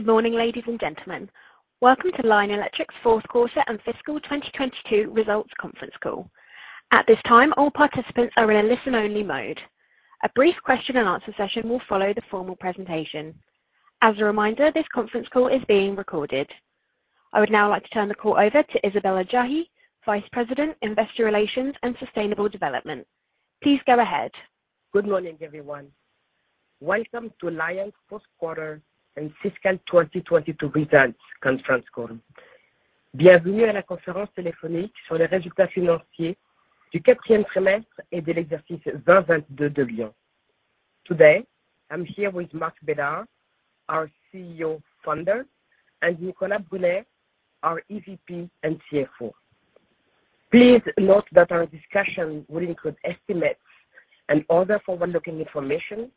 Good morning, ladies and gentlemen. Welcome to Lion Electric's Fourth Quarter and Fiscal 2022 Results Conference Call. At this time, all participants are in a listen-only mode. A brief question and answer session will follow the formal presentation. As a reminder, this conference call is being recorded. I would now like to turn the call over to Isabelle Adjahi, Vice President, Investor Relations and Sustainable Development. Please go ahead. Good morning, everyone. Welcome to Lion's Fourth Quarter and Fiscal 2022 Results Conference Call. Today I'm here with Marc Bédard, our CEO Founder, and Nicolas Brunet, our EVP and CFO. Please note that our discussion will include estimates and other forward-looking information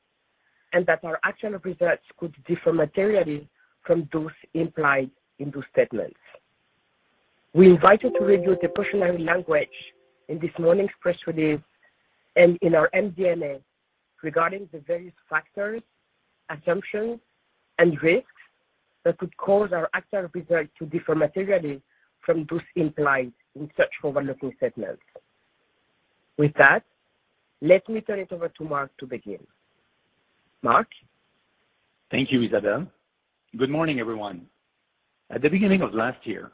and that our actual results could differ materially from those implied in those statements. We invite you to review the cautionary language in this morning's press release and in our MD&A regarding the various factors, assumptions, and risks that could cause our actual results to differ materially from those implied in such forward-looking statements. With that, let me turn it over to Marc to begin. Marc? Thank you, Isabelle. Good morning, everyone. At the beginning of last year,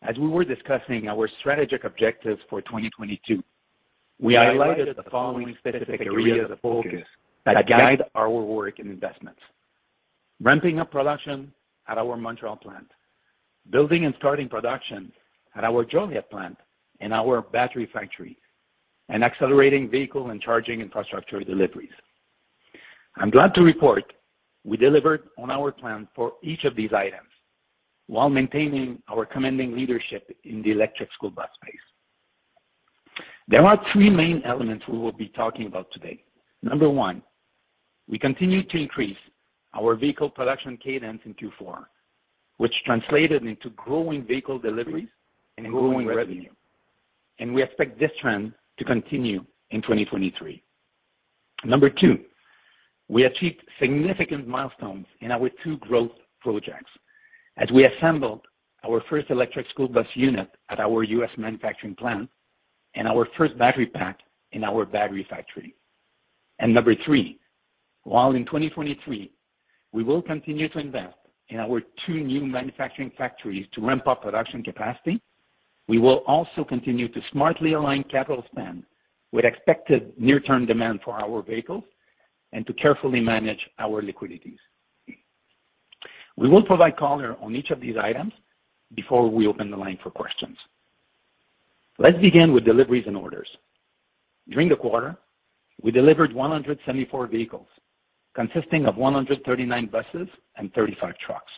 as we were discussing our strategic objectives for 2022, we highlighted the following specific areas of focus that guide our work and investments. Ramping up production at our Montreal plant, building and starting production at our Joliet plant and our battery factory, and accelerating vehicle and charging infrastructure deliveries. I'm glad to report we delivered on our plan for each of these items while maintaining our commanding leadership in the electric school bus space. There are three main elements we will be talking about today. Number one, we continue to increase our vehicle production cadence in Q4, which translated into growing vehicle deliveries and growing revenue. We expect this trend to continue in 2023. Number two, we achieved significant milestones in our two growth projects as we assembled our first electric school bus unit at our U.S. manufacturing plant and our first battery pack in our battery factory. Number three, while in 2023, we will continue to invest in our two new manufacturing factories to ramp up production capacity, we will also continue to smartly align capital spend with expected near-term demand for our vehicles and to carefully manage our liquidities. We will provide color on each of these items before we open the line for questions. Let's begin with deliveries and orders. During the quarter, we delivered 174 vehicles consisting of 139 buses and 35 trucks.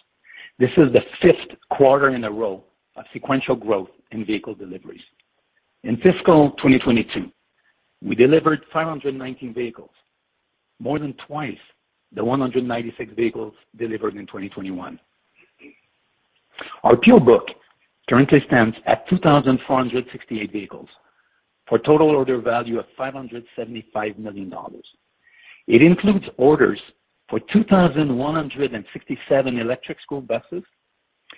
This is the fifth quarter in a row of sequential growth in vehicle deliveries. In fiscal 2022, we delivered 519 vehicles, more than twice the 196 vehicles delivered in 2021. Our PO book currently stands at 2,468 vehicles for total order value of $575 million. It includes orders for 2,167 electric school buses,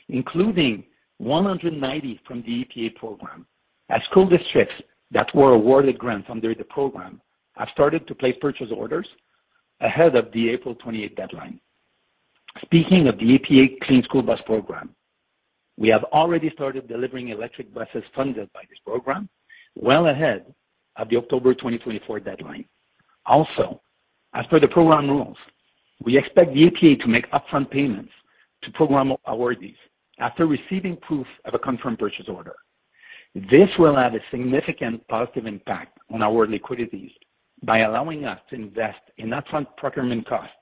including 190 from the EPA program, as school districts that were awarded grants under the program have started to place purchase orders ahead of the April 28th deadline. Speaking of the EPA Clean School Bus Program, we have already started delivering electric buses funded by this program well ahead of the October 2024 deadline. As per the program rules, we expect the EPA to make upfront payments to program awardees after receiving proof of a confirmed purchase order. This will have a significant positive impact on our liquidities by allowing us to invest in upfront procurement costs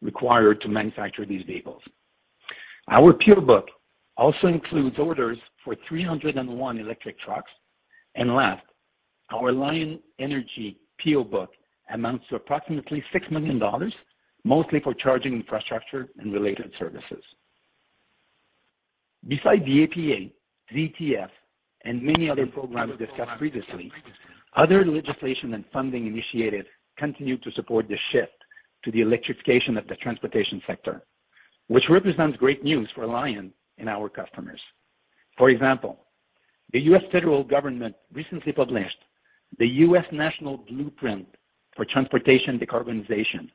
required to manufacture these vehicles. Our PO book also includes orders for 301 electric trucks. Last, our Lion Energy PO book amounts to approximately $6 million, mostly for charging infrastructure and related services. Besides the EPA, ZETF, and many other programs discussed previously, other legislation and funding initiatives continue to support the shift to the electrification of the transportation sector, which represents great news for Lion and our customers. For example, the U.S. federal government recently published the U.S. National Blueprint for Transportation Decarbonization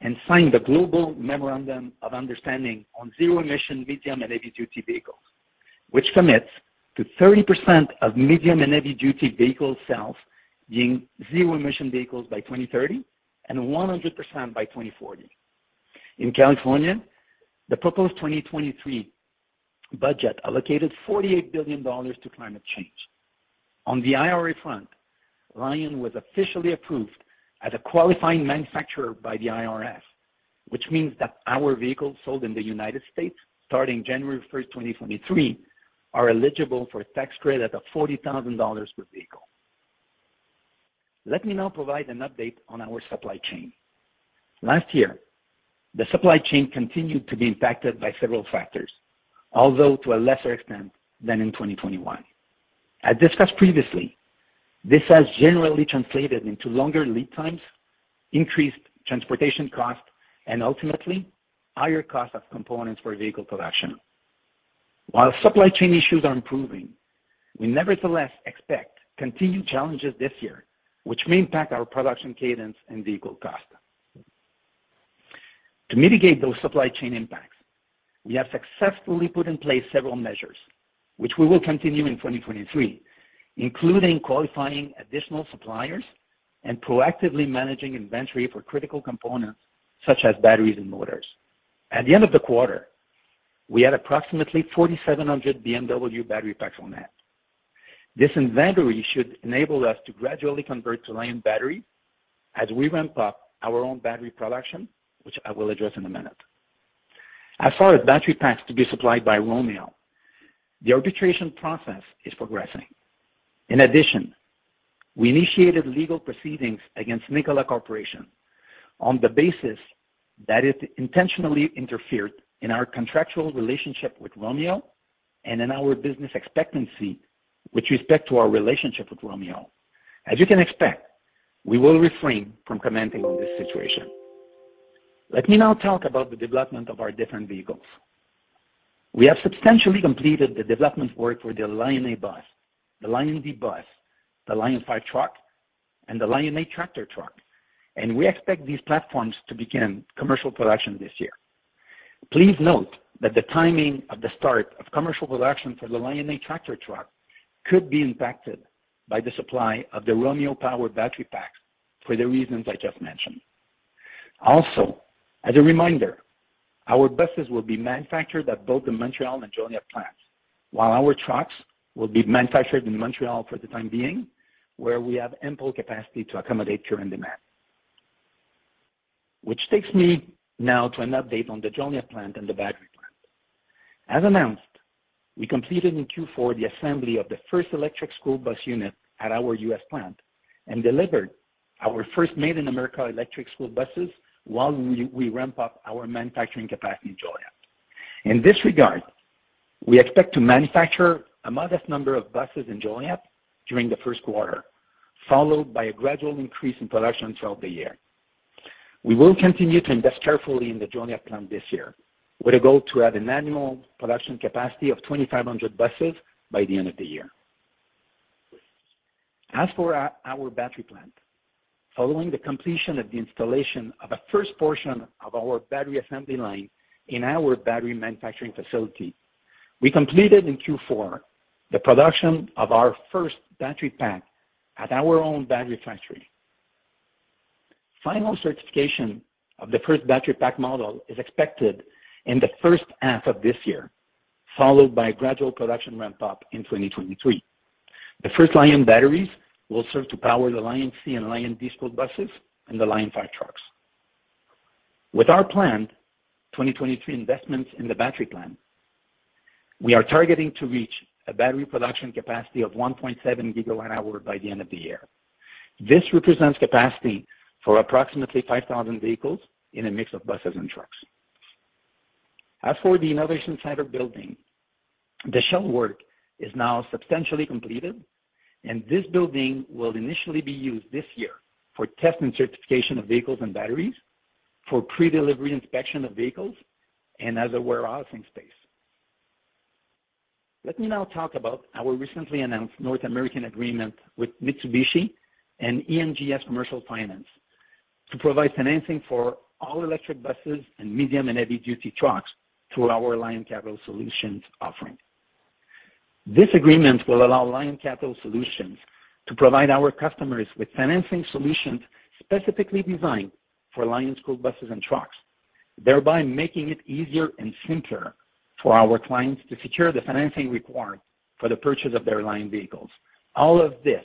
and signed the Global Memorandum of Understanding on Zero-Emission Medium- and Heavy-Duty Vehicles, which commits to 30% of medium and heavy-duty vehicle sales being zero-emission vehicles by 2030 and 100% by 2040. In California, the proposed 2023 budget allocated $48 billion to climate change. On the IRA front, Lion was officially approved as a qualifying manufacturer by the IRS, which means that our vehicles sold in the United States starting January 1st, 2023, are eligible for a tax credit of $40,000 per vehicle. Let me now provide an update on our supply chain. Last year, the supply chain continued to be impacted by several factors, although to a lesser extent than in 2021. As discussed previously, this has generally translated into longer lead times, increased transportation costs, and ultimately, higher cost of components for vehicle production. While supply chain issues are improving, we nevertheless expect continued challenges this year, which may impact our production cadence and vehicle cost. To mitigate those supply chain impacts, we have successfully put in place several measures which we will continue in 2023, including qualifying additional suppliers and proactively managing inventory for critical components such as batteries and motors. At the end of the quarter, we had approximately 4,700 BMW battery packs on hand. This inventory should enable us to gradually convert to Lion battery as we ramp up our own battery production, which I will address in a minute. As for the battery packs to be supplied by Romeo, the arbitration process is progressing. In addition, we initiated legal proceedings against Nikola Corporation on the basis that it intentionally interfered in our contractual relationship with Romeo and in our business expectancy with respect to our relationship with Romeo. As you can expect, we will refrain from commenting on this situation. Let me now talk about the development of our different vehicles. We have substantially completed the development work for the LionA, the LionD, the Lion5 truck, and the Lion8 tractor truck, and we expect these platforms to begin commercial production this year. Please note that the timing of the start of commercial production for the Lion8 tractor truck could be impacted by the supply of the Romeo-powered battery packs for the reasons I just mentioned. Also, as a reminder, our buses will be manufactured at both the Montreal and Joliet plants, while our trucks will be manufactured in Montreal for the time being, where we have ample capacity to accommodate current demand. Which takes me now to an update on the Joliet plant and the battery plant. As announced, we completed in Q4 the assembly of the first electric school bus unit at our U.S. plant and delivered our first made-in-America electric school buses while we ramp up our manufacturing capacity in Joliet. In this regard, we expect to manufacture a modest number of buses in Joliet during the first quarter, followed by a gradual increase in production throughout the year. We will continue to invest carefully in the Joliet plant this year with a goal to have an annual production capacity of 2,500 buses by the end of the year. As for our battery plant, following the completion of the installation of a first portion of our battery assembly line in our battery manufacturing facility, we completed in Q4 the production of our first battery pack at our own battery factory. Final certification of the first battery pack model is expected in the first half of this year, followed by a gradual production ramp up in 2023. The first Lion batteries will serve to power the LionC and LionD school buses and the Lion5 trucks. With our planned 2023 investments in the battery plant, we are targeting to reach a battery production capacity of 1.7 gigawatt-hour by the end of the year. This represents capacity for approximately 5,000 vehicles in a mix of buses and trucks. As for the Innovation Center building, the shell work is now substantially completed, and this building will initially be used this year for test and certification of vehicles and batteries for pre-delivery inspection of vehicles and as a warehousing space. Let me now talk about our recently announced North American agreement with Mitsubishi and ENGS Commercial Finance to provide financing for all-electric buses and medium and heavy-duty trucks through our LionCapital Solutions offering. This agreement will allow LionCapital Solutions to provide our customers with financing solutions specifically designed for Lion school buses and trucks, thereby making it easier and simpler for our clients to secure the financing required for the purchase of their Lion vehicles. All of this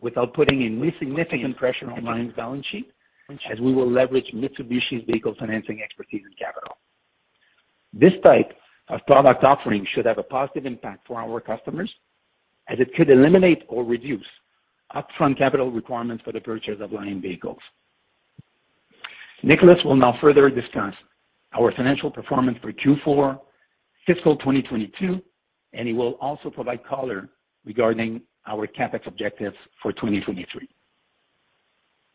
without putting any significant pressure on Lion's balance sheet, as we will leverage Mitsubishi's vehicle financing expertise and capital. This type of product offering should have a positive impact for our customers as it could eliminate or reduce upfront capital requirements for the purchase of Lion vehicles. Nicolas will now further discuss our financial performance for Q4 fiscal 2022, and he will also provide color regarding our CapEx objectives for 2023.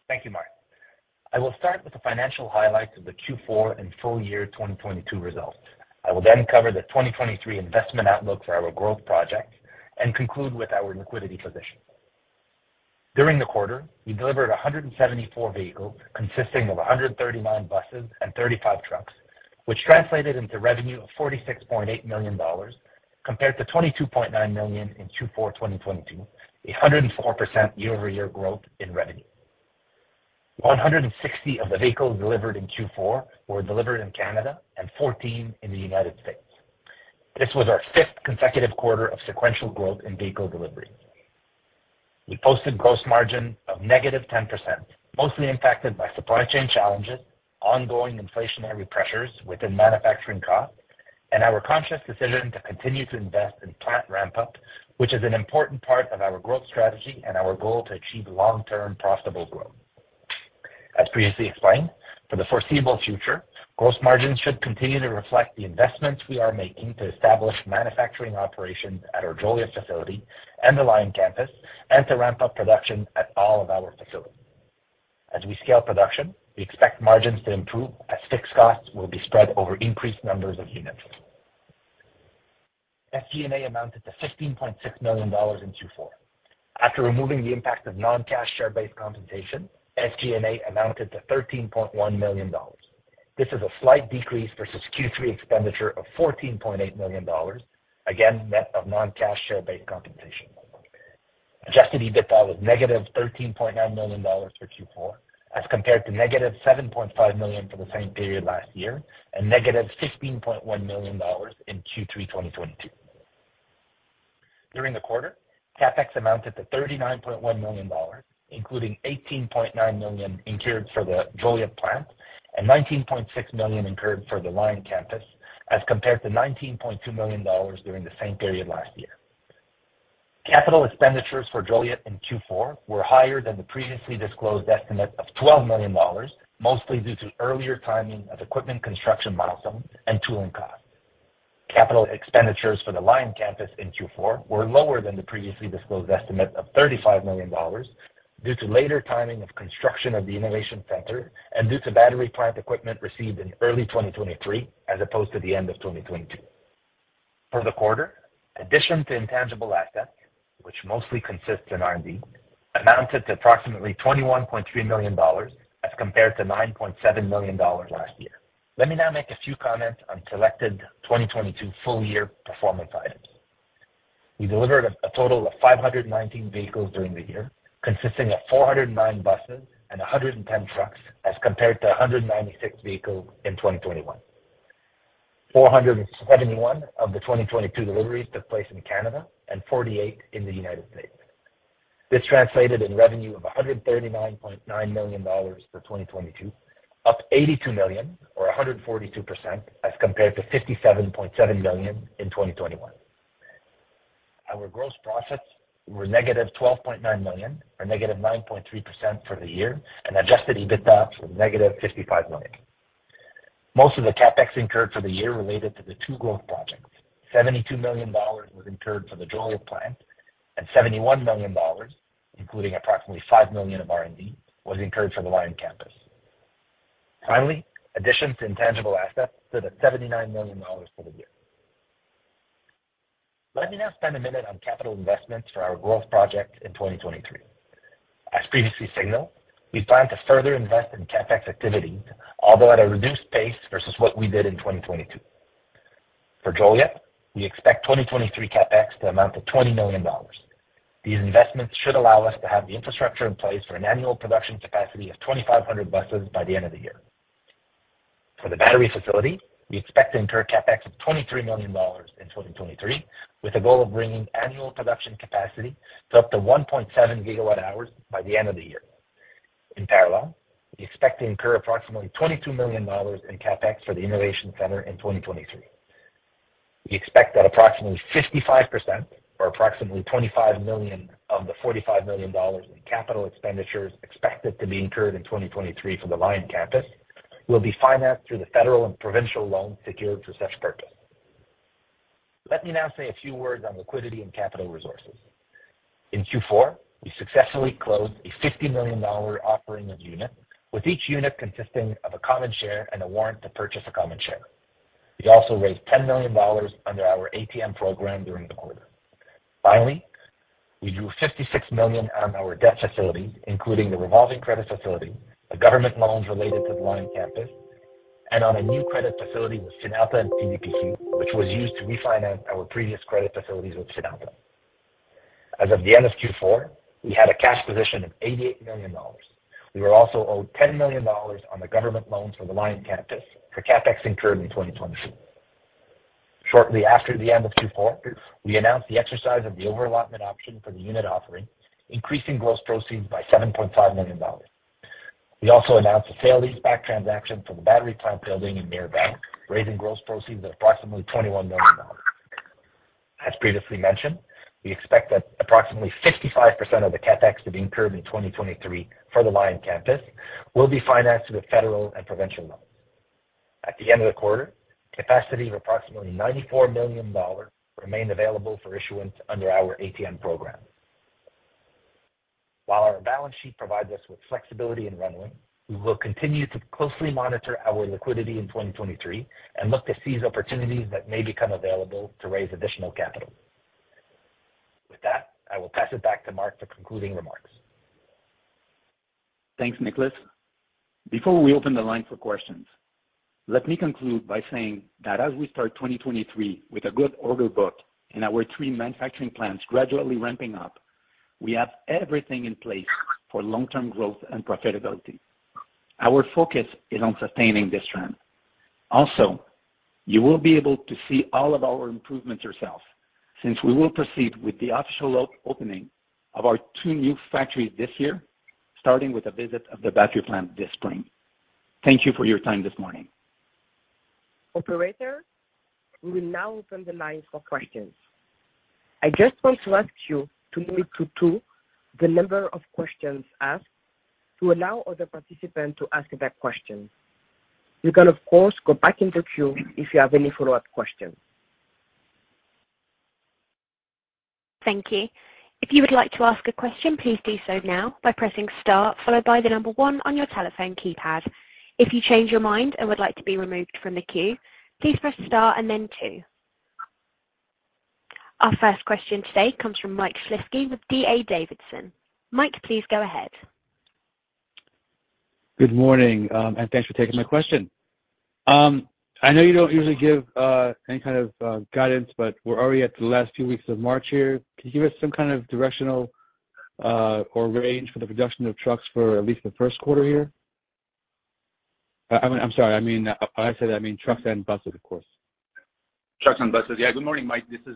Thank you, Marc. I will start with the financial highlights of the Q4 and full year 2022 results. I will cover the 2023 investment outlook for our growth project and conclude with our liquidity position. During the quarter, we delivered 174 vehicles consisting of 139 buses and 35 trucks, which translated into revenue of $46.8 million compared to $22.9 million in Q4 2022, a 104% year-over-year growth in revenue. 160 of the vehicles delivered in Q4 were delivered in Canada and 14 in the U.S. This was our fifth consecutive quarter of sequential growth in vehicle delivery. We posted gross margin of -10%, mostly impacted by supply chain challenges, ongoing inflationary pressures within manufacturing costs. Our conscious decision to continue to invest in plant ramp-up, which is an important part of our growth strategy and our goal to achieve long-term profitable growth. As previously explained, for the foreseeable future, gross margins should continue to reflect the investments we are making to establish manufacturing operations at our Joliet facility and the Lion Campus and to ramp up production at all of our facilities. As we scale production, we expect margins to improve as fixed costs will be spread over increased numbers of units. SG&A amounted to $15.6 million in Q4. After removing the impact of non-cash share-based compensation, SG&A amounted to $13.1 million. This is a slight decrease versus Q3 expenditure of $14.8 million, again, net of non-cash share-based compensation for the quarter. Adjusted EBITDA was -$13.9 million for Q4 as compared to -$7.5 million for the same period last year, and -$16.1 million in Q3 2022. During the quarter, CapEx amounted to $39.1 million, including $18.9 million incurred for the Joliet plant and $19.6 million incurred for the Lion Campus, as compared to $19.2 million during the same period last year. Capital expenditures for Joliet in Q4 were higher than the previously disclosed estimate of $12 million, mostly due to earlier timing of equipment construction milestones and tooling costs. Capital expenditures for the Lion Campus in Q4 were lower than the previously disclosed estimate of $35 million due to later timing of construction of the innovation center and due to battery plant equipment received in early 2023 as opposed to the end of 2022. For the quarter, addition to intangible assets, which mostly consists in R&D, amounted to approximately $21.3 million as compared to $9.7 million last year. Let me now make a few comments on selected 2022 full year performance items. We delivered a total of 519 vehicles during the year, consisting of 409 buses and 110 trucks as compared to 196 vehicles in 2021. 471 of the 2022 deliveries took place in Canada and 48 in the United States. This translated in revenue of $139.9 million for 2022, up $82 million or 142% as compared to $57.7 million in 2021. Our gross profits were -$12.9 million or -9.3% for the year, and adjusted EBITDA was -$55 million. Most of the CapEx incurred for the year related to the two growth projects. $72 million was incurred for the Joliet plant, and $71 million, including approximately $5 million of R&D, was incurred for the Lion Campus. Additions to intangible assets stood at $79 million for the year. Let me now spend a minute on capital investments for our growth project in 2023. As previously signaled, we plan to further invest in CapEx activities, although at a reduced pace versus what we did in 2022. For Joliet, we expect 2023 CapEx to amount to $20 million. These investments should allow us to have the infrastructure in place for an annual production capacity of 2,500 buses by the end of the year. For the battery facility, we expect to incur CapEx of $23 million in 2023, with a goal of bringing annual production capacity to up to 1.7 GWh by the end of the year. In parallel, we expect to incur approximately $22 million in CapEx for the innovation center in 2023. We expect that approximately 55% or approximately $25 million of the $45 million in CapEx expected to be incurred in 2023 for the Lion Campus will be financed through the federal and provincial loans secured for such purpose. Let me now say a few words on liquidity and capital resources. In Q4, we successfully closed a $50 million offering of units, with each unit consisting of a common share and a warrant to purchase a common share. We also raised $10 million under our ATM program during the quarter. Finally, we drew $56 million on our debt facility, including the revolving credit facility, the government loans related to the Lion Campus, and on a new credit facility with Synapa and CDPQ which was used to refinance our previous credit facilities with Synapa. As of the end of Q4, we had a cash position of $88 million. We were also owed $10 million on the government loan for the Lion Campus for CapEx incurred in 2022. Shortly after the end of Q4, we announced the exercise of the over-allotment option for the unit offering, increasing gross proceeds by $7.5 million. We also announced a sale-leaseback transaction for the battery plant building in Mirabel, raising gross proceeds of approximately $21 million. As previously mentioned, we expect that approximately 55% of the CapEx to be incurred in 2023 for the Lion Campus will be financed with federal and provincial loans. At the end of the quarter, capacity of approximately $94 million remained available for issuance under our ATM program. While our balance sheet provides us with flexibility and runway, we will continue to closely monitor our liquidity in 2023 and look to seize opportunities that may become available to raise additional capital. With that, I will pass it back to Marc for concluding remarks. Thanks, Nicolas. Before we open the line for questions, let me conclude by saying that as we start 2023 with a good order book and our three manufacturing plants gradually ramping up, we have everything in place for long-term growth and profitability. Our focus is on sustaining this trend. You will be able to see all of our improvements yourself since we will proceed with the official opening of our two new factories this year. Starting with a visit of the battery plant this spring. Thank you for your time this morning. Operator, we will now open the line for questions. I just want to ask you to limit to two the number of questions asked to allow other participants to ask their questions. You can, of course, go back into queue if you have any follow-up questions. Thank you. If you would like to ask a question, please do so now by pressing star followed by the number one on your telephone keypad. If you change your mind and would like to be removed from the queue, please press star and then two. Our first question today comes from Mike Shlisky with D.A. Davidson. Mike, please go ahead. Good morning, thanks for taking my question. I know you don't usually give any kind of guidance, but we're already at the last few weeks of March here. Can you give us some kind of directional or range for the production of trucks for at least the first quarter here? I mean, I'm sorry. I mean, when I say that, I mean trucks and buses, of course. Trucks and buses. Good morning, Mike. This is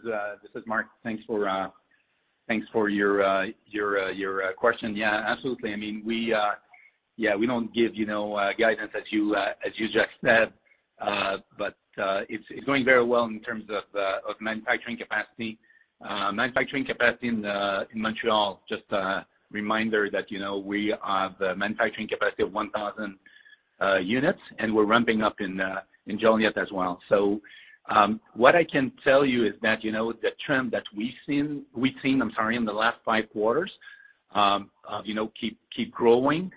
Marc. Thanks for your question. Absolutely. I mean, we don't give, you know, guidance as you just said. It's going very well in terms of manufacturing capacity. Manufacturing capacity in Montreal, just a reminder that, you know, we have the manufacturing capacity of 1,000 units, and we're ramping up in Joliet as well. What I can tell you is that, you know, the trend that we've seen, I'm sorry, in the last five quarters, you know, keep growing.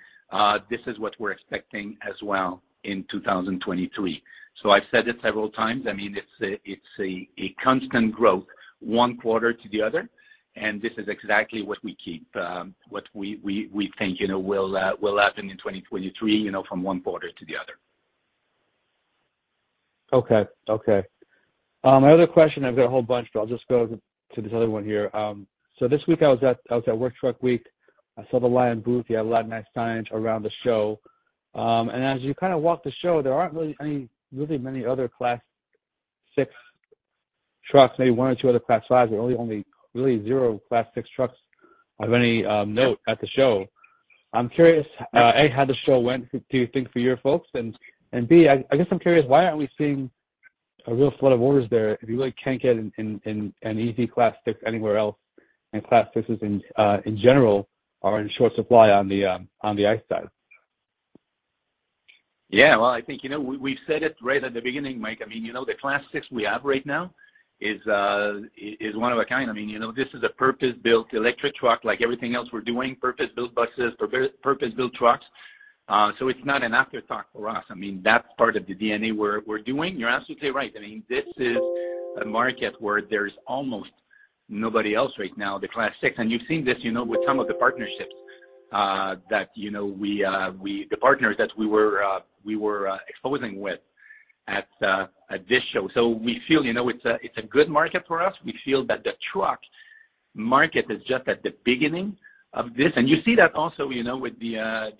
This is what we're expecting as well in 2023. I've said it several times. I mean, it's a constant growth one quarter to the other. This is exactly what we keep, what we think, you know, will happen in 2023, you know, from one quarter to the other. Okay. Okay. My other question, I've got a whole bunch, but I'll just go to this other one here. This week I was at Work Truck Week. I saw the Lion booth. You had a lot of nice signs around the show. As you kind of walk the show, there aren't really many other Class 6 trucks, maybe one or two other Class 5, but only really zero Class 6 trucks of any note at the show. I'm curious, A, how the show went, do you think, for your folks, and B, I guess I'm curious why aren't we seeing a real flood of orders there if you really can't get an EV Class 6 anywhere else and Class 6s in general are in short supply on the ICE side? Well, I think, you know, we've said it right at the beginning, Mike. I mean, you know, the Class 6 we have right now is one of a kind. I mean, you know, this is a purpose-built electric truck like everything else we're doing, purpose-built buses, purpose-built trucks. It's not an afterthought for us. I mean, that's part of the DNA we're doing. You're absolutely right. I mean, this is a market where there is almost nobody else right now, the Class 6. You've seen this, you know, with some of the partnerships that, you know, we, the partners that we were exposing with at this show. We feel, you know, it's a good market for us. We feel that the truck market is just at the beginning of this. You see that also, you know, with the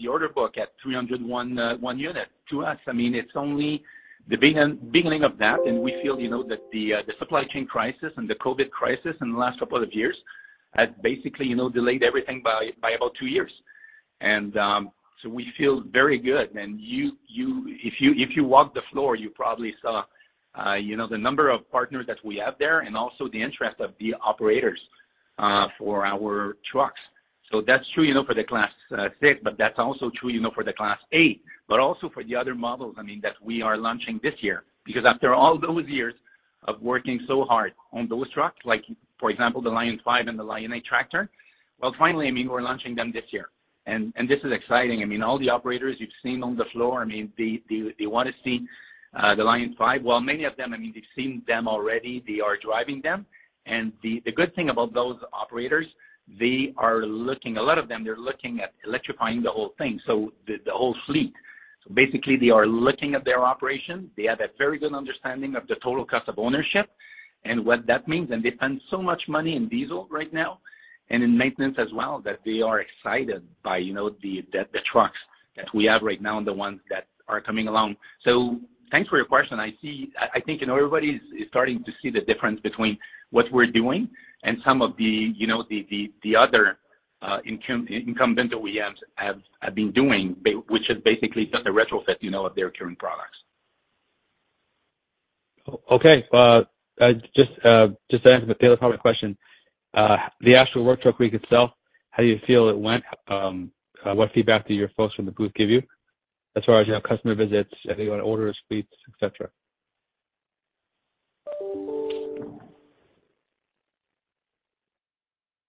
order book at 301 unit. To us, I mean, it's only the beginning of that. We feel, you know, that the supply chain crisis and the COVID crisis in the last couple of years has basically, you know, delayed everything by about two years. We feel very good. If you walk the floor, you probably saw, you know, the number of partners that we have there and also the interest of the operators for our trucks. That's true, you know, for the Class 6, but that's also true, you know, for the Class 8, but also for the other models, I mean, that we are launching this year. After all those years of working so hard on those trucks, like for example, the Lion5 and the Lion8 Tractor, well, finally, I mean, we're launching them this year. This is exciting. I mean, all the operators you've seen on the floor, I mean, they wanna see the Lion5. Well, many of them, I mean, they've seen them already. They are driving them. The good thing about those operators, they are looking, a lot of them, they're looking at electrifying the whole thing, so the whole fleet. Basically, they are looking at their operation. They have a very good understanding of the total cost of ownership and what that means. They spend so much money in diesel right now and in maintenance as well, that they are excited by, you know, the trucks that we have right now and the ones that are coming along. Thanks for your question. I think, you know, everybody is starting to see the difference between what we're doing and some of the, you know, the other incumbent OEMs have been doing, which is basically just a retrofit, you know, of their current products. Okay. Just to answer the tail end of my question. The actual Work Truck Week itself, how do you feel it went? What feedback do your folks from the booth give you as far as, you know, customer visits, if they got orders, fleets, et cetera?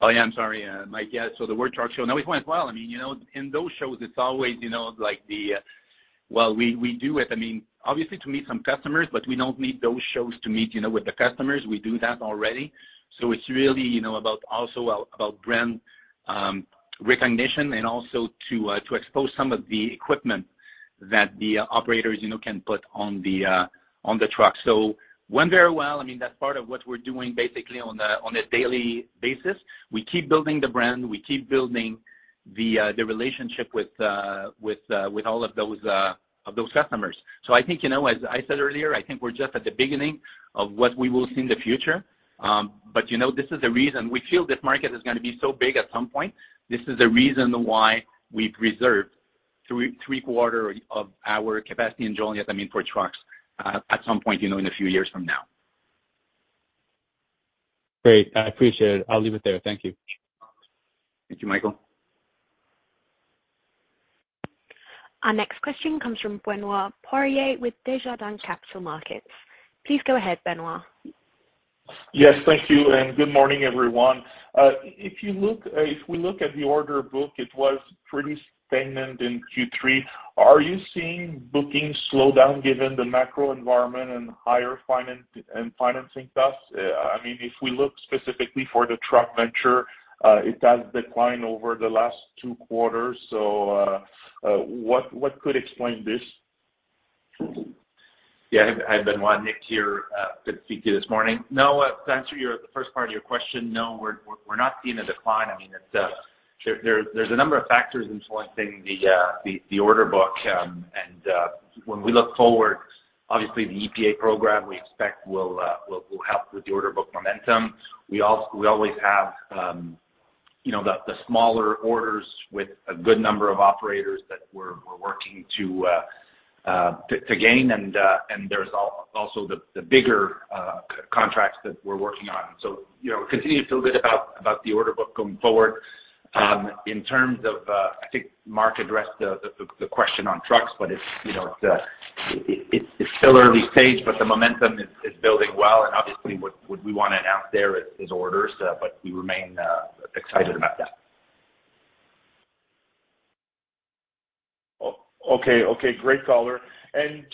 I'm sorry, Mike. The Work Truck Show, it went well. In those shows it's always, you know, we do it, I mean, obviously to meet some customers, but we don't need those shows to meet, you know, with the customers. We do that already. It's really, you know, about also about brand recognition and also to expose some of the equipment that the operators, you know, can put on the truck. Went very well. That's part of what we're doing basically on a daily basis. We keep building the brand, we keep building the relationship with all of those customers. I think, you know, as I said earlier, I think we're just at the beginning of what we will see in the future. You know, this is the reason we feel this market is gonna be so big at some point. This is the reason why we've reserved. Three quarter of our capacity in Joliet, I mean, for trucks, at some point, you know, in a few years from now. Great. I appreciate it. I'll leave it there. Thank you. Thank you, Michael. Our next question comes from Benoit Poirier with Desjardins Capital Markets. Please go ahead, Benoit. Yes, thank you, and good morning, everyone. If we look at the order book, it was pretty stagnant in Q3. Are you seeing bookings slow down given the macro environment and higher finance, and financing costs? I mean, if we look specifically for the truck venture, it has declined over the last two quarters. What could explain this? Yeah. Hi, Benoit. Nick here. Good to speak to you this morning. No, to answer the first part of your question, no, we're not seeing a decline. I mean, there's a number of factors influencing the order book. When we look forward, obviously the EPA program we expect will help with the order book momentum. We always have, you know, the smaller orders with a good number of operators that we're working to gain, and there's also the bigger contracts that we're working on. You know, continue to feel good about the order book going forward. In terms of, I think Marc addressed the question on trucks, but it's, you know, it's still early stage, but the momentum is building well. Obviously what we want to announce there is orders, but we remain excited about that. Okay. Okay, great color.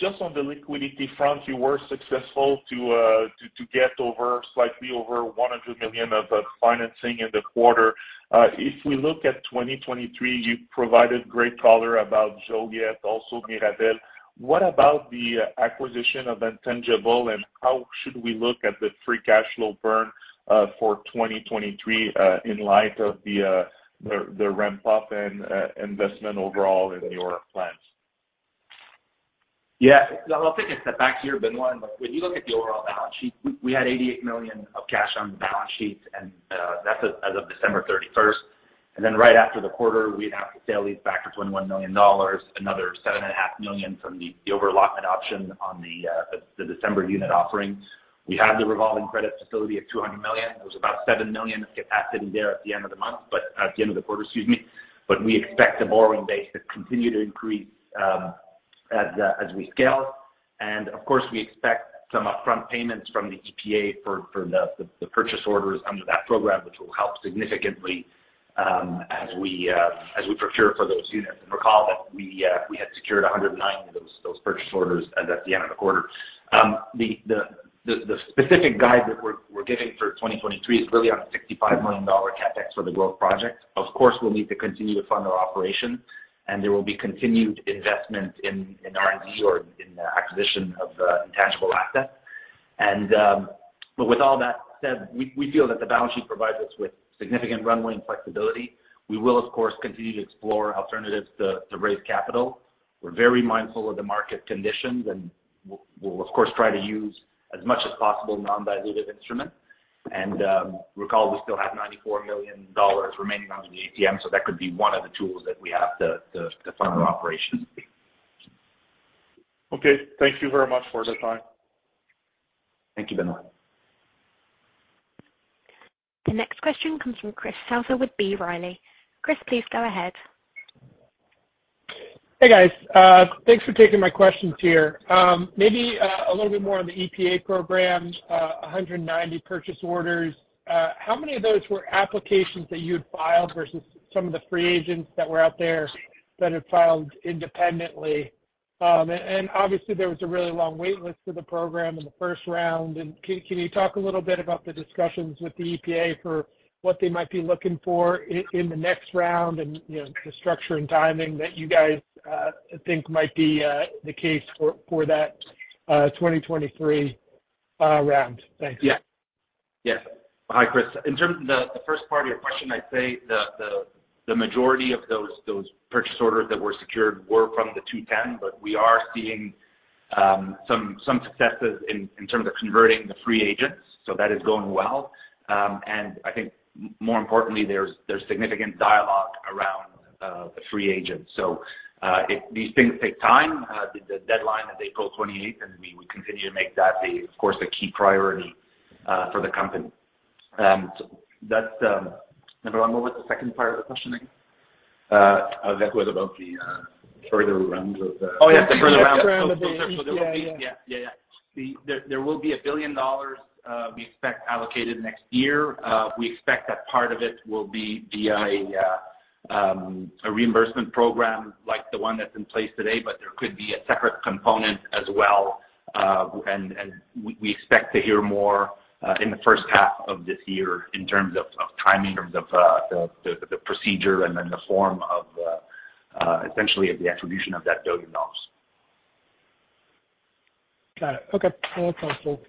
Just on the liquidity front, you were successful to get over, slightly over $100 million of financing in the quarter. If we look at 2023, you provided great color about Joliet, also Mirabel. What about the acquisition of intangible and how should we look at the free cash flow burn for 2023 in light of the ramp up and investment overall in your plans? Yeah. I'll take a step back here, Benoit. When you look at the overall balance sheet, we had $88 million of cash on the balance sheet, that's as of December 31st. Right after the quarter, we'd have the sale-leaseback for $21 million, another $7.5 million from the over-allotment option on the December unit offering. We have the revolving credit facility of $200 million. There was about $7 million of capacity there at the end of the month, at the end of the quarter, excuse me. We expect the borrowing base to continue to increase as we scale. Of course, we expect some upfront payments from the EPA for the purchase orders under that program, which will help significantly as we procure for those units. Recall that we had secured 109 of those purchase orders as at the end of the quarter. The specific guide that we're giving for 2023 is really on $65 million CapEx for the growth project. Of course, we'll need to continue to fund our operations, and there will be continued investment in R&D or in the acquisition of intangible assets. With all that said, we feel that the balance sheet provides us with significant runway and flexibility. We will, of course, continue to explore alternatives to raise capital. We're very mindful of the market conditions and we'll of course, try to use as much as possible non-dilutive instruments. Recall we still have $94 million remaining under the ATM. That could be one of the tools that we have to fund our operations. Okay. Thank you very much for the time. Thank you, Benoit. The next question comes from Chris Souther with B. Riley. Chris, please go ahead. Hey, guys. Thanks for taking my questions here. Maybe a little bit more on the EPA program, 190 purchase orders. How many of those were applications that you had filed versus some of the free agents that were out there that had filed independently? Obviously, there was a really long wait list for the program in the first round. Can you talk a little bit about the discussions with the EPA for what they might be looking for in the next round and, you know, the structure and timing that you guys think might be the case for that 2023 round? Thanks. Yeah. Yes. Hi, Chris. In terms of the first part of your question, I'd say the majority of those purchase orders that were secured were from the 210, but we are seeing some successes in terms of converting the free agents. That is going well. I think more importantly, there's significant dialogue around the free agents. These things take time. The deadline is April 28th, and we continue to make that, of course, a key priority for the company. That's, Benoit, what was the second part of the question again? That was about the further rounds of. Oh, yeah, the further rounds. The next round of the EPA, yeah. Those are still to be. Yeah. Yeah, yeah. There will be $1 billion, we expect allocated next year. We expect that part of it will be via a reimbursement program like the one that's in place today, but there could be a separate component as well. And we expect to hear more in the first half of this year in terms of timing, in terms of the procedure and then the form of essentially, the attribution of that $1 billion. Got it. Okay. That's helpful.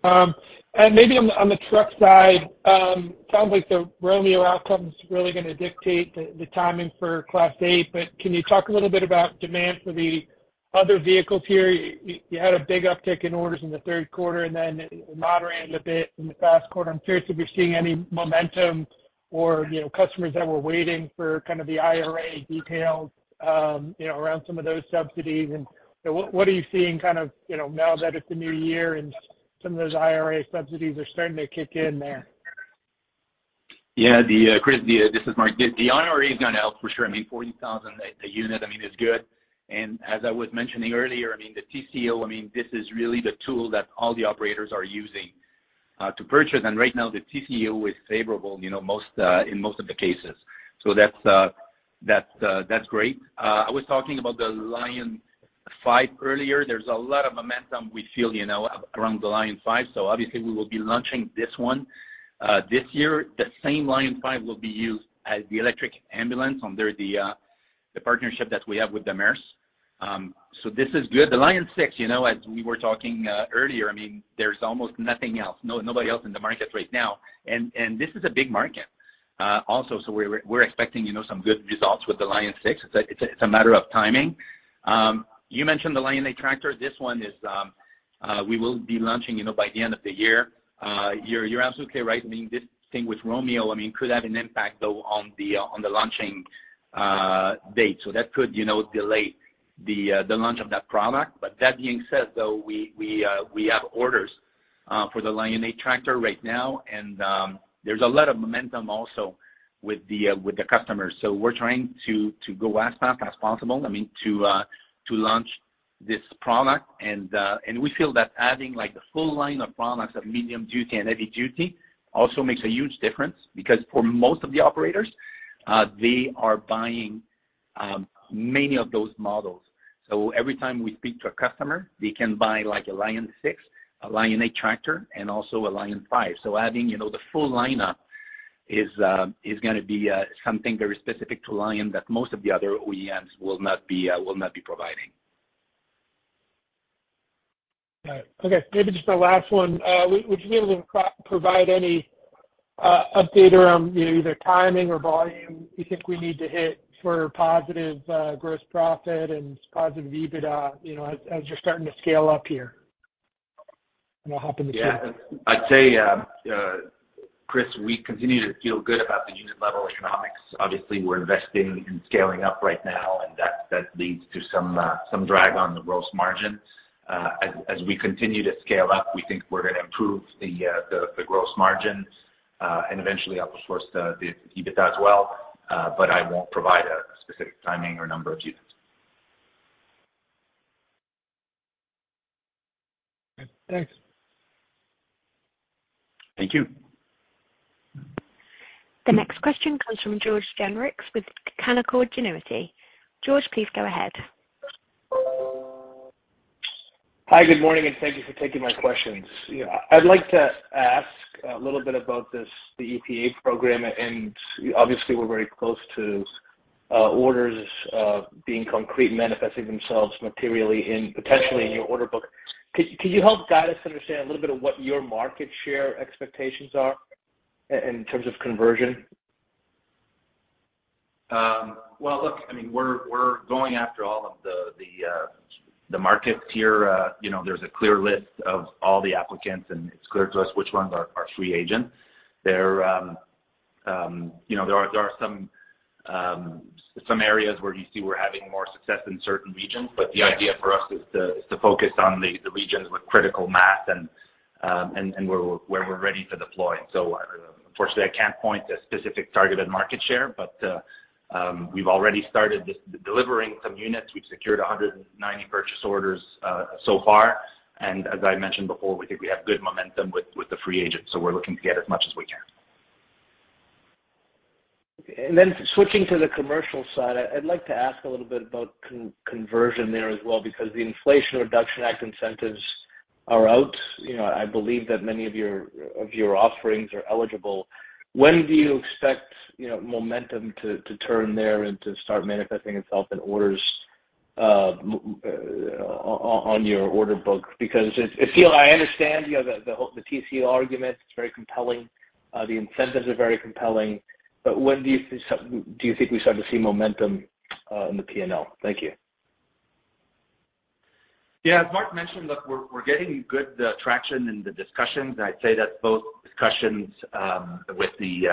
Maybe on the truck side, sounds like the Romeo Power outcome is really gonna dictate the timing for Class A. Can you talk a little bit about demand for the other vehicles here? You had a big uptick in orders in the third quarter and then it moderated a bit in the past quarter. I'm curious if you're seeing any momentum or, you know, customers that were waiting for kind of the IRA details, you know, around some of those subsidies. What are you seeing kind of, you know, now that it's a new year and some of those IRA subsidies are starting to kick in there? The, Chris, this is Marc. The IRA is gonna help for sure. I mean, 40,000 a unit, I mean, is good. As I was mentioning earlier, I mean, the TCO, I mean, this is really the tool that all the operators are using to purchase. Right now the TCO is favorable, you know, most in most of the cases. That's, that's great. I was talking about the Lion5 earlier. There's a lot of momentum we feel, you know, around the Lion5, obviously we will be launching this one this year. The same Lion5 will be used as the electric ambulance under the partnership that we have with Demers Ambulances. This is good. The Lion6, you know, as we were talking earlier, I mean, there's almost nothing else. Nobody else in the market right now, and this is a big market also. We're expecting, you know, some good results with the Lion6. It's a matter of timing. You mentioned the Lion8 Tractor. This one is we will be launching, you know, by the end of the year. You're absolutely right. I mean, this thing with Romeo, I mean, could have an impact though on the launching date. That could, you know, delay the launch of that product. That being said though, we have orders for the Lion8 Tractor right now, and there's a lot of momentum also with the customers. We're trying to go as fast as possible, I mean, to launch this product and we feel that adding like the full line of products of medium duty and heavy duty also makes a huge difference because for most of the operators, they are buying many of those models. Every time we speak to a customer, they can buy like a Lion6, a Lion8 Tractor, and also a Lion5. Adding, you know, the full lineup is gonna be something very specific to Lion that most of the other OEMs will not be providing. All right. Okay, maybe just a last one. would you be able to provide any update around, you know, either timing or volume you think we need to hit for positive gross profit and positive EBITDA, you know, as you're starting to scale up here? I'll hop in the queue. I'd say, Chris, we continue to feel good about the unit level economics. Obviously, we're investing in scaling up right now, and that leads to some drag on the gross margin. As we continue to scale up, we think we're gonna improve the gross margin and eventually of course the EBITDA as well. I won't provide a specific timing or number just yet. Thanks. Thank you. The next question comes from George Gianarikas with Canaccord Genuity. George, please go ahead. Hi, good morning. Thank you for taking my questions. You know, I'd like to ask a little bit about this, the EPA program. Obviously we're very close to orders being concrete, manifesting themselves materially in potentially in your order book. Could you help guide us to understand a little bit of what your market share expectations are in terms of conversion? Well, look, I mean, we're going after all of the markets here. You know, there's a clear list of all the applicants, and it's clear to us which ones are free agents. You know, there are some areas where you see we're having more success in certain regions, but the idea for us is to focus on the regions with critical mass and where we're ready to deploy. Unfortunately I can't point to a specific targeted market share, but we've already started delivering some units. We've secured 190 purchase orders so far. As I mentioned before, we think we have good momentum with the free agents, we're looking to get as much as we can. Switching to the commercial side, I'd like to ask a little bit about conversion there as well because the Inflation Reduction Act incentives are out. You know, I believe that many of your offerings are eligible. When do you expect, you know, momentum to turn there and to start manifesting itself in orders on your order book? Because I understand, you know, the whole, the TCO argument. It's very compelling. The incentives are very compelling. When do you think we start to see momentum in the P&L? Thank you. Yeah. As Marc mentioned, look, we're getting good traction in the discussions. I'd say that both discussions with the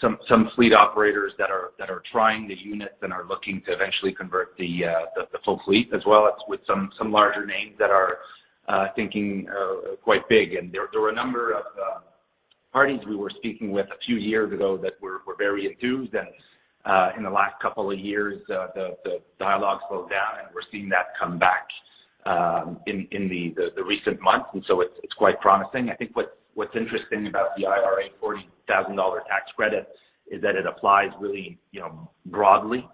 some fleet operators that are trying the units and are looking to eventually convert the full fleet, as well as with some larger names that are thinking quite big. There were a number of parties we were speaking with a few years ago that were very enthused and in the last couple of years, the dialogue slowed down, we're seeing that come back in the recent months, it's quite promising. I think what's interesting about the IRA $40,000 tax credit is that it applies really, you know, broadly.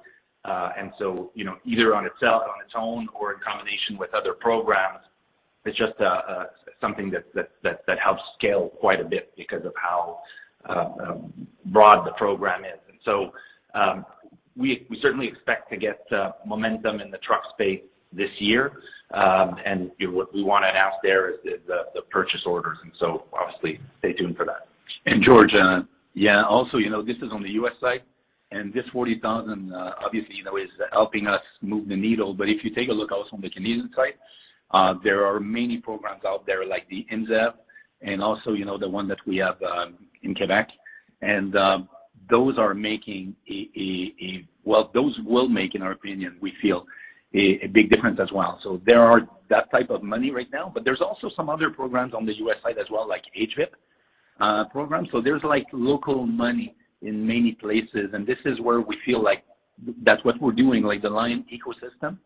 you know, either on itself, on its own or in combination with other programs, it's just something that helps scale quite a bit because of how broad the program is. We certainly expect to get momentum in the truck space this year, and what we wanna announce there is the purchase orders, obviously stay tuned for that. George, yeah, also, this is on the U.S. side, and this $40,000, obviously, is helping us move the needle. If you take a look also on the Canadian side, there are many programs out there like the NZEV and also, the one that we have in Quebec. Well, those will make, in our opinion, we feel a big difference as well. There are that type of money right now, but there's also some other programs on the U.S. side as well, like HVIP program. There's like local money in many places, and this is where we feel like that's what we're doing, like the Lion ecosystem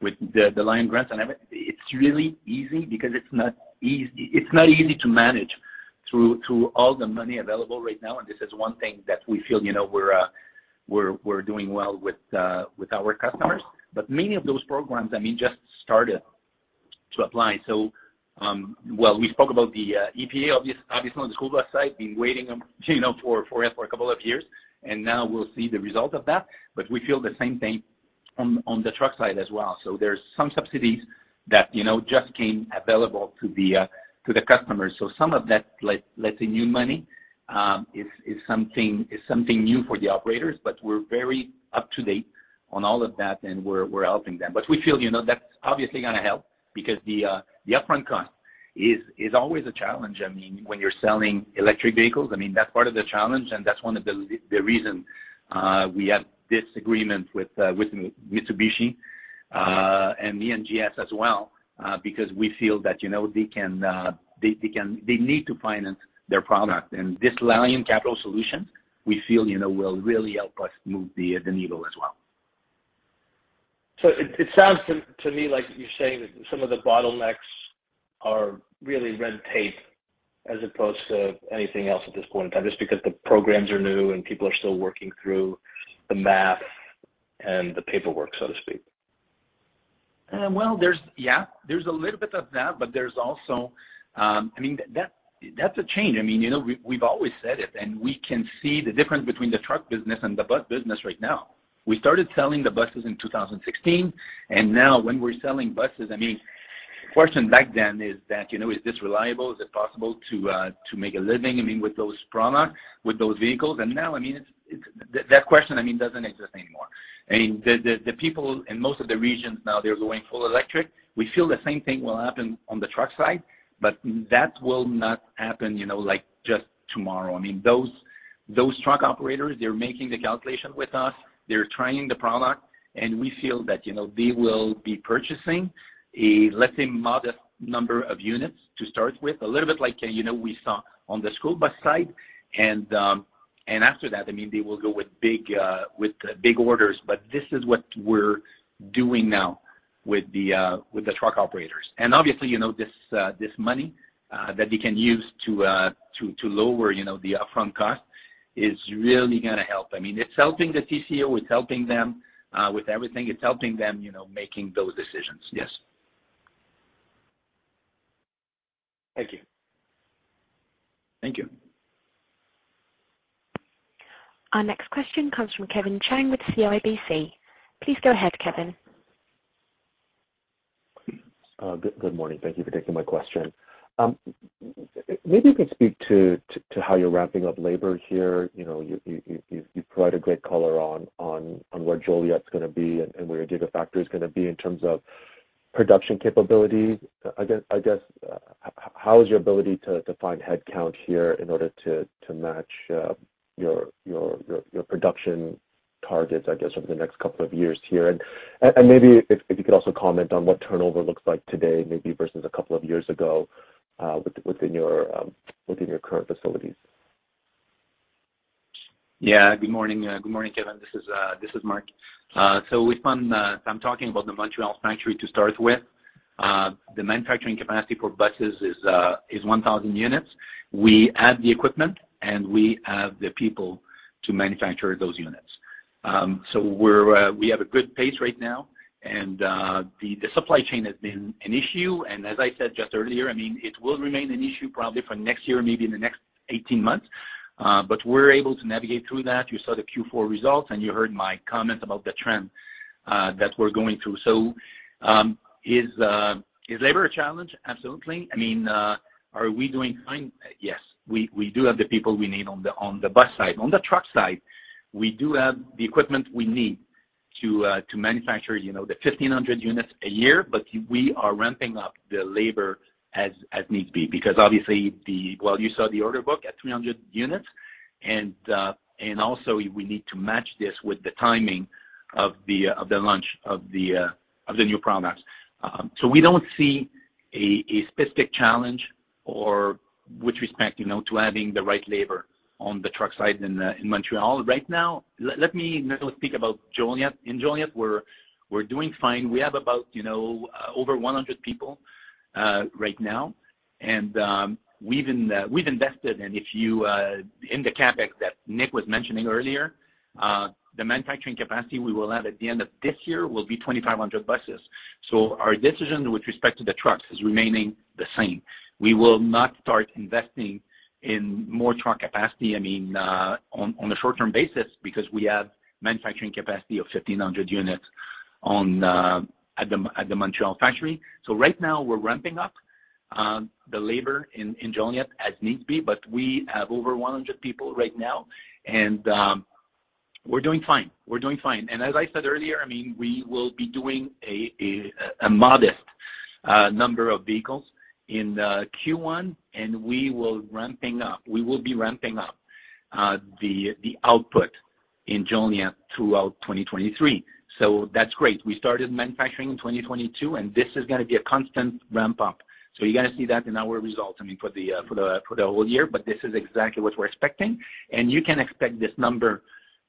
with the Lion grants. It's really easy because it's not easy. It's not easy to manage through all the money available right now, and this is one thing that we feel, you know, we're doing well with our customers. Many of those programs, I mean, just started to apply. Well, we spoke about the EPA, obviously, on the school bus side, been waiting on, you know, for us for a couple of years, and now we'll see the result of that. We feel the same thing on the truck side as well. There's some subsidies that, you know, just came available to the customers. Some of that, let's say, new money, is something new for the operators, but we're very up to date on all of that, and we're helping them. We feel, you know, that's obviously gonna help because the upfront cost is always a challenge. I mean, when you're selling electric vehicles, I mean, that's part of the challenge, and that's one of the reason we have this agreement with Mitsubishi and ENGS as well, because we feel that, you know, they can they need to finance their product. This LionCapital Solutions, we feel, you know, will really help us move the needle as well. It sounds to me like you're saying that some of the bottlenecks are really red tape as opposed to anything else at this point in time, just because the programs are new and people are still working through the math and the paperwork, so to speak. Well, there's... Yeah, there's a little bit of that. There's also, I mean, that's a change. I mean, you know, we've always said it. We can see the difference between the truck business and the bus business right now. We started selling the buses in 2016. Now when we're selling buses, I mean, the question back then is that, you know, is this reliable? Is it possible to make a living, I mean, with those products, with those vehicles? Now, I mean, it's That question, I mean, doesn't exist anymore. I mean, the, the people in most of the regions now, they're going full electric. We feel the same thing will happen on the truck side. That will not happen, you know, like just tomorrow. I mean, those truck operators, they're making the calculation with us. They're trying the product, and we feel that, you know, they will be purchasing a, let's say, modest number of units to start with. A little bit like, you know, we saw on the school bus side. After that, I mean, they will go with big big orders. This is what we're doing now with the with the truck operators. Obviously, you know, this this money that they can use to to lower, you know, the upfront cost is really gonna help. I mean, it's helping the TCO, it's helping them with everything. It's helping them, you know, making those decisions. Yes. Thank you. Thank you. Our next question comes from Kevin Chiang with CIBC. Please go ahead, Kevin. Good morning. Thank you for taking my question. Maybe you can speak to how you're ramping up labor here. You know, you provide a great color on where Joliet's gonna be and where your data factory is gonna be in terms of production capability. I guess, how is your ability to find headcount here in order to match your production targets, I guess, over the next couple of years here? Maybe if you could also comment on what turnover looks like today, maybe versus a couple of years ago within your current facilities. Yeah, good morning. Good morning, Kevin. This is Marc. We plan. I'm talking about the Montreal factory to start with. The manufacturing capacity for buses is 1,000 units. We add the equipment, and we add the people to manufacture those units. We have a good pace right now, and the supply chain has been an issue. As I said just earlier, I mean, it will remain an issue probably for next year, maybe in the next 18 months, but we're able to navigate through that. You saw the Q4 results, and you heard my comments about the trend that we're going through. Is labor a challenge? Absolutely. I mean, are we doing fine? Yes. We do have the people we need on the bus side. On the truck side, we do have the equipment we need to manufacture, you know, the 1,500 units a year, but we are ramping up the labor as need be. Because obviously, Well, you saw the order book at 300 units. Also we need to match this with the timing of the launch of the new products. We don't see a specific challenge or with respect, you know, to adding the right labor on the truck side in Montreal. Right now, let me speak about Joliet. In Joliet, we're doing fine. We have about, you know, over 100 people right now. We've invested, and if you, in the CapEx that Nicolas was mentioning earlier, the manufacturing capacity we will have at the end of this year will be 2,500 buses. Our decision with respect to the trucks is remaining the same. We will not start investing in more truck capacity on a short-term basis because we have manufacturing capacity of 1,500 units at the Montreal factory. Right now we're ramping up the labor in Joliet as needs be, but we have over 100 people right now, and we're doing fine. We're doing fine. As I said earlier, I mean, we will be doing a modest number of vehicles in Q1, and we will be ramping up the output in Joliet throughout 2023. That's great. We started manufacturing in 2022, and this is gonna be a constant ramp up. You're gonna see that in our results, I mean, for the whole year, but this is exactly what we're expecting. You can expect this number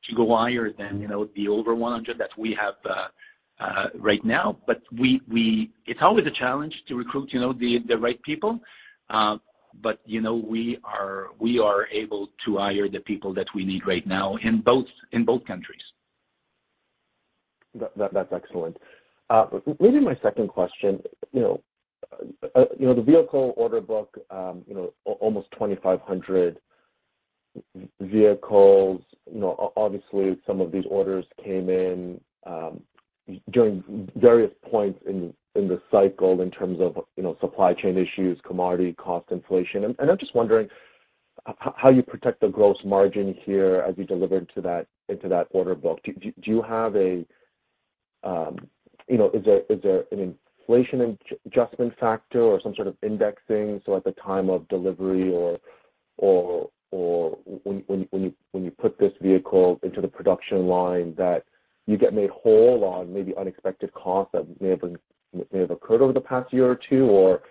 to go higher than, you know, the over 100 that we have right now. It's always a challenge to recruit, you know, the right people, but, you know, we are able to hire the people that we need right now in both countries. That's excellent. Maybe my second question, you know, you know, the vehicle order book, you know, almost 2,500 vehicles. You know, obviously, some of these orders came in, during various points in the cycle in terms of, you know, supply chain issues, commodity cost inflation. I'm just wondering how you protect the gross margin here as you deliver into that order book. Do you have a? You know, is there an inflation adjustment factor or some sort of indexing, so at the time of delivery or when you put this vehicle into the production line that you get made whole on maybe unexpected costs that may have occurred over the past year or two or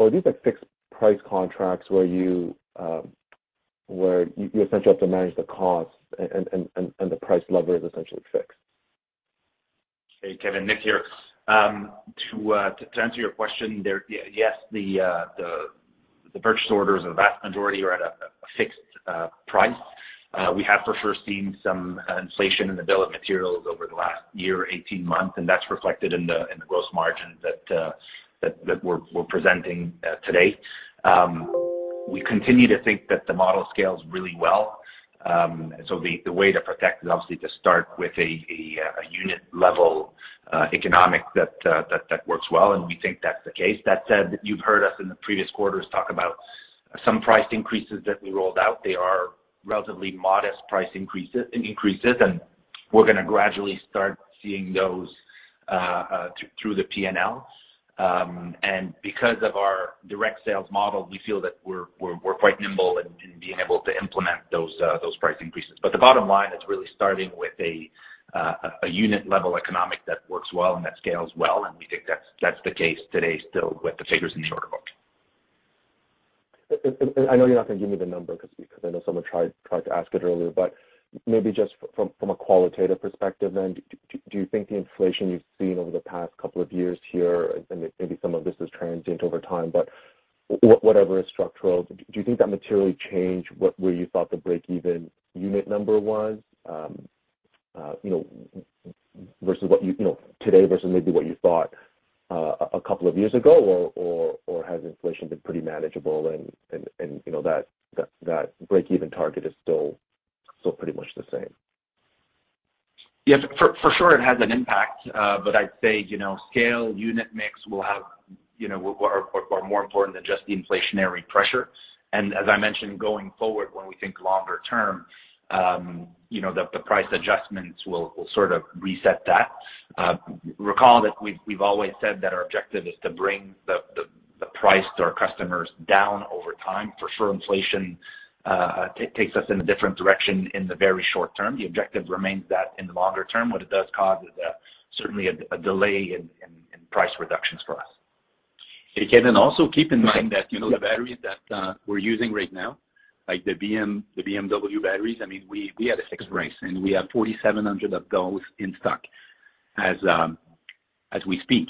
are these, like, fixed price contracts where you essentially have to manage the cost and the price level is essentially fixed? Hey, Kevin. Nick here. To answer your question there, yes, the purchase orders of the vast majority are at a fixed price. We have for sure seen some inflation in the bill of materials over the last year, 18 months, and that's reflected in the gross margin that we're presenting today. We continue to think that the model scales really well. The way to protect is obviously to start with a unit level economic that works well, and we think that's the case. That said, you've heard us in the previous quarters talk about some price increases that we rolled out. They are relatively modest price increases, and we're gonna gradually start seeing those through the P&L. Because of our direct sales model, we feel that we're quite nimble in being able to implement those price increases. The bottom line, it's really starting with a unit level economic that works well and that scales well, and we think that's the case today still with the figures in the order book. I know you're not gonna give me the number 'cause I know someone tried to ask it earlier, but maybe just from a qualitative perspective then, do you think the inflation you've seen over the past couple of years here, and maybe some of this is transient over time, but whatever is structural, do you think that materially changed where you thought the break even unit number was, you know, versus what you know, today versus maybe what you thought a couple of years ago, or has inflation been pretty manageable and, you know, that break even target is still pretty much the same? Yes. For sure it has an impact, but I'd say, you know, scale, unit mix will have, you know, were more important than just the inflationary pressure. As I mentioned, going forward when we think longer term, you know, the price adjustments will sort of reset that. Recall that we've always said that our objective is to bring the price to our customers down over time. For sure, inflation takes us in a different direction in the very short term. The objective remains that in the longer term. What it does cause is a certainly a delay in price reductions for us. Hey, Kevin, also keep in mind that, you know, the batteries that we're using right now, like the BMW batteries, I mean, we had a fixed price, and we have 4,700 of those in stock as we speak.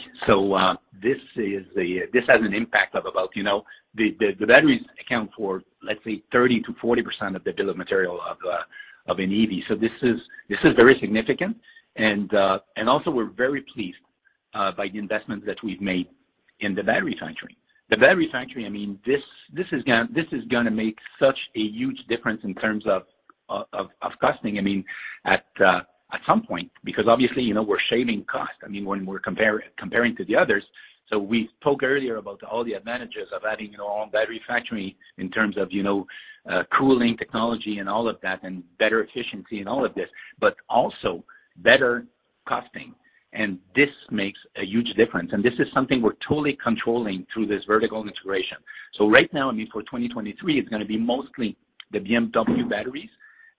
This has an impact of about, you know, The batteries account for, let's say 30%-40% of the bill of material of an EV. This is very significant. Also we're very pleased by the investment that we've made in the battery factory. The battery factory, I mean, this is gonna make such a huge difference in terms of, of costing, I mean, at some point, because obviously, you know, we're shaving cost, I mean, when we're comparing to the others. We spoke earlier about all the advantages of having your own battery factory in terms of, you know, cooling technology and all of that and better efficiency and all of this, but also better costing. This makes a huge difference. This is something we're totally controlling through this vertical integration. Right now, I mean, for 2023, it's gonna be mostly the BMW batteries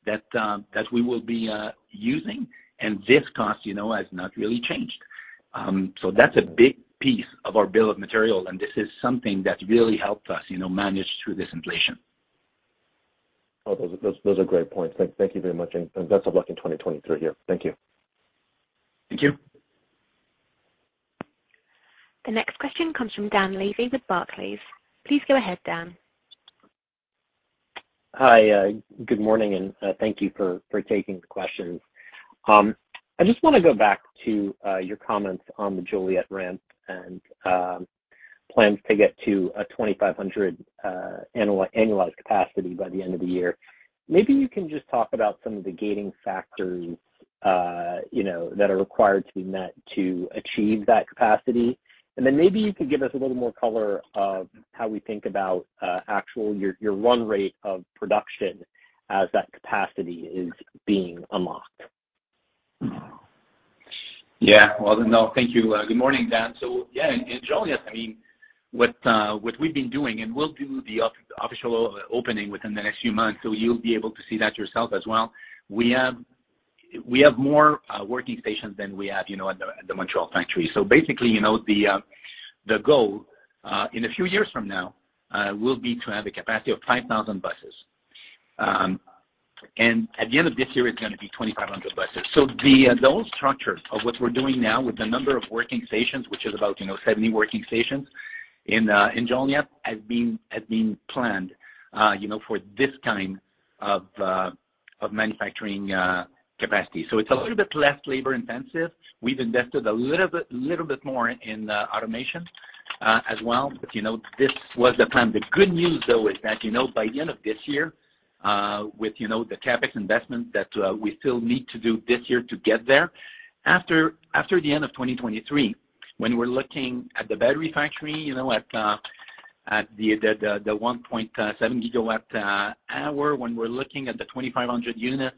that we will be using, and this cost, you know, has not really changed. That's a big piece of our bill of material, and this is something that really helped us, you know, manage through this inflation. Oh, those are great points. Thank you very much. Best of luck in 2023 here. Thank you. Thank you. The next question comes from Dan Levy with Barclays. Please go ahead, Dan. Hi. Good morning, and thank you for taking the questions. I just wanna go back to your comments on the Joliet ramp and Plans to get to a 2,500 annualized capacity by the end of the year. Maybe you can just talk about some of the gating factors, you know, that are required to be met to achieve that capacity. Maybe you could give us a little more color of how we think about actual your run rate of production as that capacity is being unlocked? Yeah. Well, no, thank you. Good morning, Dan. Yeah, in Joliet, I mean, what we've been doing, and we'll do the official opening within the next few months, so you'll be able to see that yourself as well. We have more working stations than we have, you know, at the Montreal factory. Basically, you know, the goal in a few years from now will be to have a capacity of 5,000 buses. And at the end of this year, it's gonna be 2,500 buses. The those structures of what we're doing now with the number of working stations, which is about, you know, 70 working stations in Joliet, has been planned, you know, for this kind of manufacturing capacity. It's a little bit less labor intensive. We've invested a little bit more in automation as well. You know, this was the plan. The good news, though, is that, you know, by the end of this year, with, you know, the CapEx investment that we still need to do this year to get there. After the end of 2023, when we're looking at the battery factory, you know, at the 1.7 gigawatt-hour, when we're looking at the 2,500 units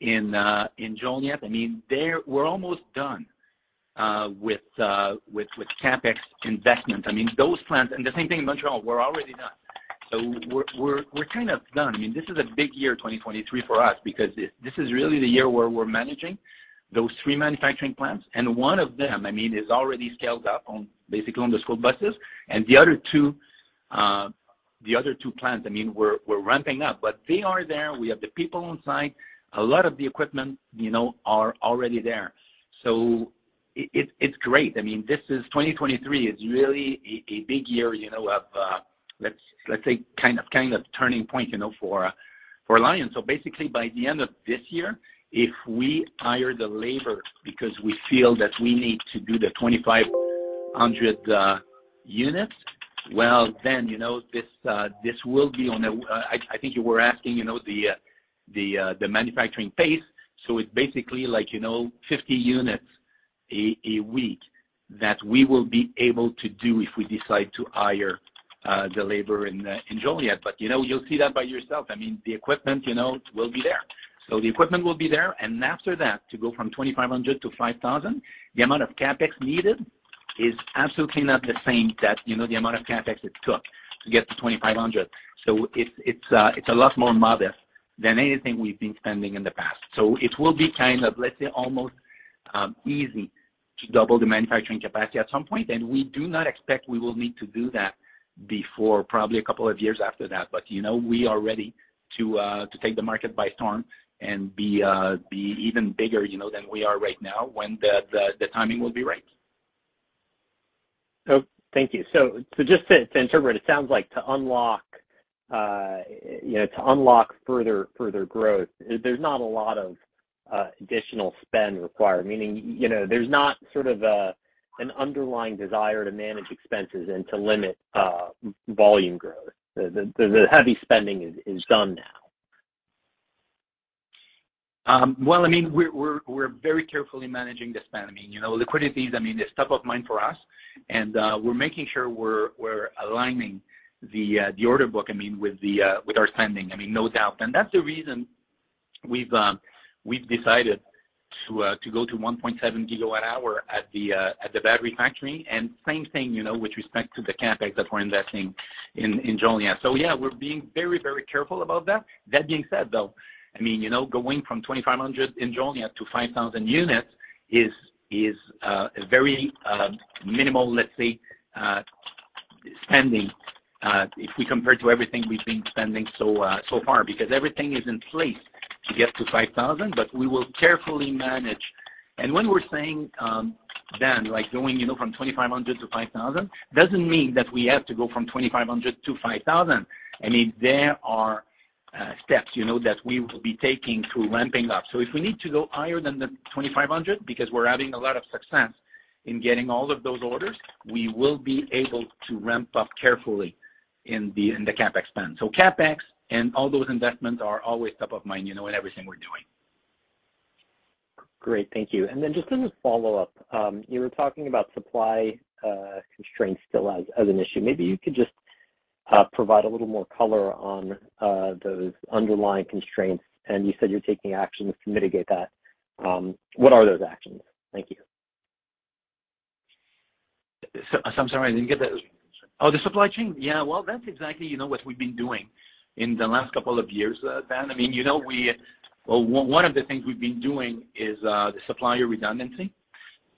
in Joliet, I mean, there we're almost done with CapEx investment. I mean, those plants and the same thing in Montreal. We're already done. We're kind of done. I mean, this is a big year, 2023, for us because this is really the year where we're managing those three manufacturing plants. One of them, I mean, is already scaled up on, basically on the school buses. The other two plants, I mean, we're ramping up. They are there, we have the people on site. A lot of the equipment, you know, are already there. It's great. I mean, this is, 2023 is really a big year, you know, of, let's say kind of turning point, you know, for Lion. Basically, by the end of this year, if we hire the labor because we feel that we need to do the 2,500 units, well, you know, this will be on a... I think you were asking, you know, the manufacturing pace. It's basically like, you know, 50 units a week that we will be able to do if we decide to hire the labor in Joliet. You know, you'll see that by yourself. I mean, the equipment, you know, will be there. The equipment will be there, and after that, to go from 2,500 to 5,000, the amount of CapEx needed is absolutely not the same that, you know, the amount of CapEx it took to get to 2,500. It's a lot more modest than anything we've been spending in the past. It will be kind of, let's say, almost easy to double the manufacturing capacity at some point. We do not expect we will need to do that before probably a couple of years after that. You know, we are ready to take the market by storm and be even bigger, you know, than we are right now, when the timing will be right. Thank you. Just to interpret, it sounds like to unlock, you know, to unlock further growth, there's not a lot of additional spend required. Meaning, you know, there's not sort of a, an underlying desire to manage expenses and to limit volume growth. The heavy spending is done now. Well, I mean, we're very carefully managing the spend. I mean, you know, liquidity is, I mean, top of mind for us, and we're making sure we're aligning the order book, I mean, with our spending. I mean, no doubt. That's the reason we've decided to go to 1.7 gigawatt-hour at the battery factory. Same thing, you know, with respect to the CapEx that we're investing in Joliet. Yeah, we're being very, very careful about that. That being said, though, I mean, you know, going from 2,500 in Joliet to 5,000 units is a very minimal, let's say, spending, if we compare to everything we've been spending so far, because everything is in place to get to 5,000, but we will carefully manage. When we're saying, Dan, like going, you know, from 2,500 to 5,000, doesn't mean that we have to go from 2,500 to 5,000. I mean, there are steps, you know, that we will be taking through ramping up. If we need to go higher than the 2,500 because we're having a lot of success in getting all of those orders, we will be able to ramp up carefully in the CapEx spend. CapEx and all those investments are always top of mind, you know, in everything we're doing. Great. Thank you. Just as a follow-up, you were talking about supply constraints still as an issue. Maybe you could just provide a little more color on those underlying constraints. You said you're taking actions to mitigate that. What are those actions? Thank you. So I'm sorry, I didn't get that. Oh, the supply chain? Yeah. Well, that's exactly, you know, what we've been doing in the last couple of years, Dan. I mean, you know, Well, one of the things we've been doing is the supplier redundancy,